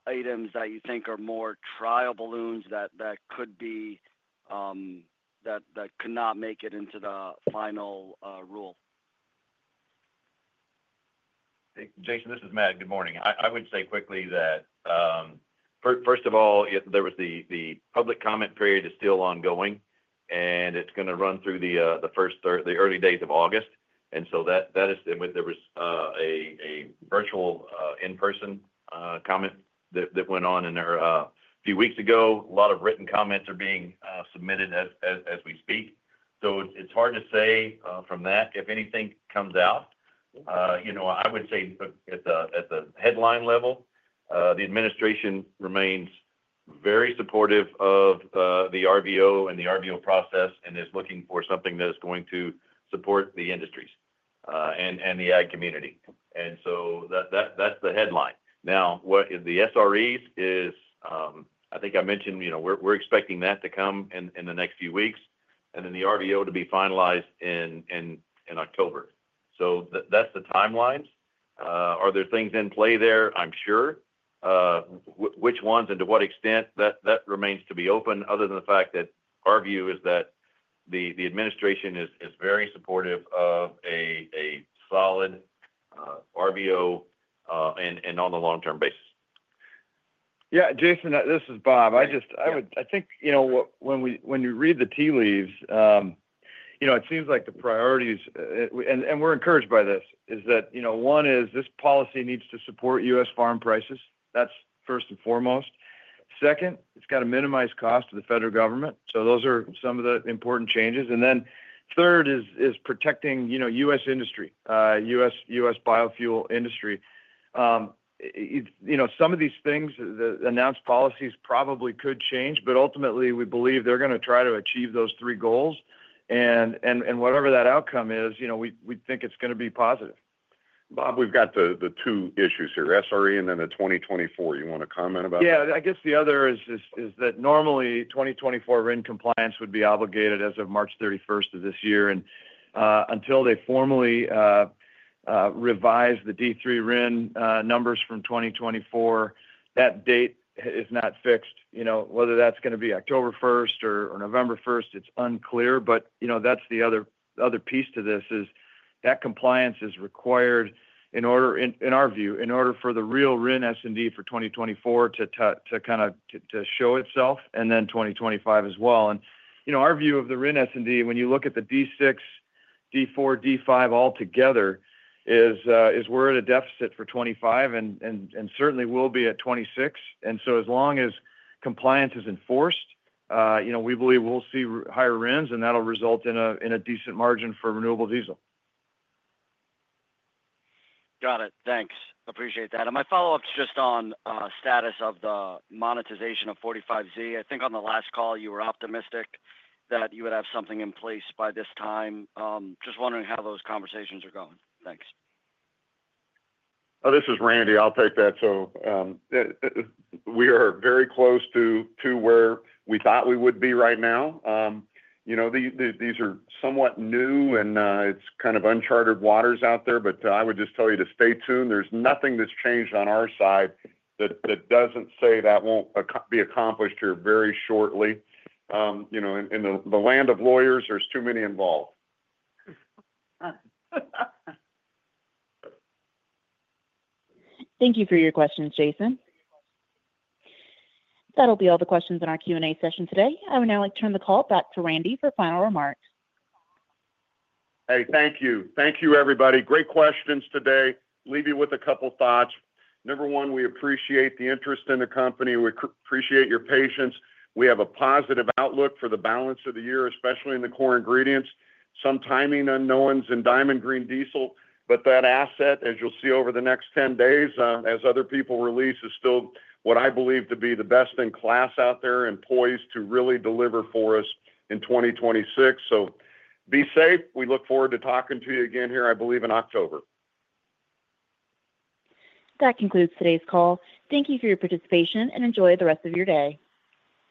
items that you think are more trial balloons that that could be that that could not make it into the final rule? Jason, this is Matt. Good morning. I I would say quickly that, first of all, if there was the the public comment period is still ongoing, and it's gonna run through the, the first the August. And so that that is there was a in person, comment that that went on in there a few weeks ago. A lot of written comments are being, submitted as as as we speak. So it's it's hard to say, from that if anything comes out. You know, I would say at the at the headline level, the administration remains very supportive of, the RVO and the RVO process and is looking for something that is going to support the industries and and the ag community. And so that that that's the headline. Now what the SREs is I think I mentioned, you know, we're we're expecting that to come in in the next few weeks and then the RVO to be finalized in in in October. So that's the timelines. Are there things in play there? I'm sure. Which ones and to what extent? That that remains to be open other than the fact that our view is that the the administration is is very supportive of a a solid RVO and and on the long term basis. Yeah. Jason, this is Bob. I just I would I think, you know, when we when you read the tea leaves, you know, it seems like the priorities and and we're encouraged by this. Is that, you know, one is this policy needs to support US farm prices. That's first and foremost. Second, it's got to minimize cost to the federal government. So those are some of the important changes. And then third is is protecting, you know, US industry, US US biofuel industry. You know, some of these things, the announced policies probably could change, but ultimately, we believe they're gonna try to achieve those three goals. And and whatever that outcome is, you know, we we think it's going to be positive. Bob, we've got the the two issues here, SRE and then the 2024. You want to comment about it? Yeah. I guess the other is is is that normally 2024 RIN compliance would be obligated as of March 31 year. And, until they formally, revise the d three RIN numbers from 2024, that date is not fixed. You know, whether that's gonna be October 1 or or November 1, it's unclear. But, you know, that's the other other piece to this is that compliance is required in order in in our view, in order for the real RIN S and D for 2024 to to to kinda to to show itself and then 2025 as well. And, you know, our view of the RIN S and D, when you look at the d six, d four, d five altogether is is we're at a deficit for '25 and and and certainly will be at '26. And so as long as compliance is enforced, we believe we'll see higher RINs and that will result in a decent margin for renewable diesel. Got it. Thanks. Appreciate that. And my follow-up is just on status of the monetization of 45Z. I think on the last call you were optimistic that you would have something in place by this time. Just wondering how those conversations are going. This is Randy. I'll take that. So we are very close to to where we thought we would be right now. You know, these these are somewhat new, and, it's kind of unchartered waters out there. But I would just tell you to stay tuned. There's nothing that's changed on our side that that doesn't say that won't be accomplished here very shortly. You know, in in the the land of lawyers, there's too many involved. Thank you for your questions, Jason. That will be all the questions in our Q and A session today. I would now like to turn the call back to Randy for final remarks. Hey, thank you. Thank you, everybody. Great questions today. Leave you with a couple of thoughts. Number one, we appreciate the interest in the company. We appreciate your patience. We have a positive outlook for the balance of the year, especially in the core ingredients. Some timing unknowns in Diamond Green Diesel. But that asset, as you'll see over the next ten days, as other people release, is still what I believe to be the best in class out there and poised to really deliver for us in 2026. So be safe. We look forward to talking to you again here, I believe, in October. That concludes today's call. Thank you for your participation, and enjoy the rest of your day.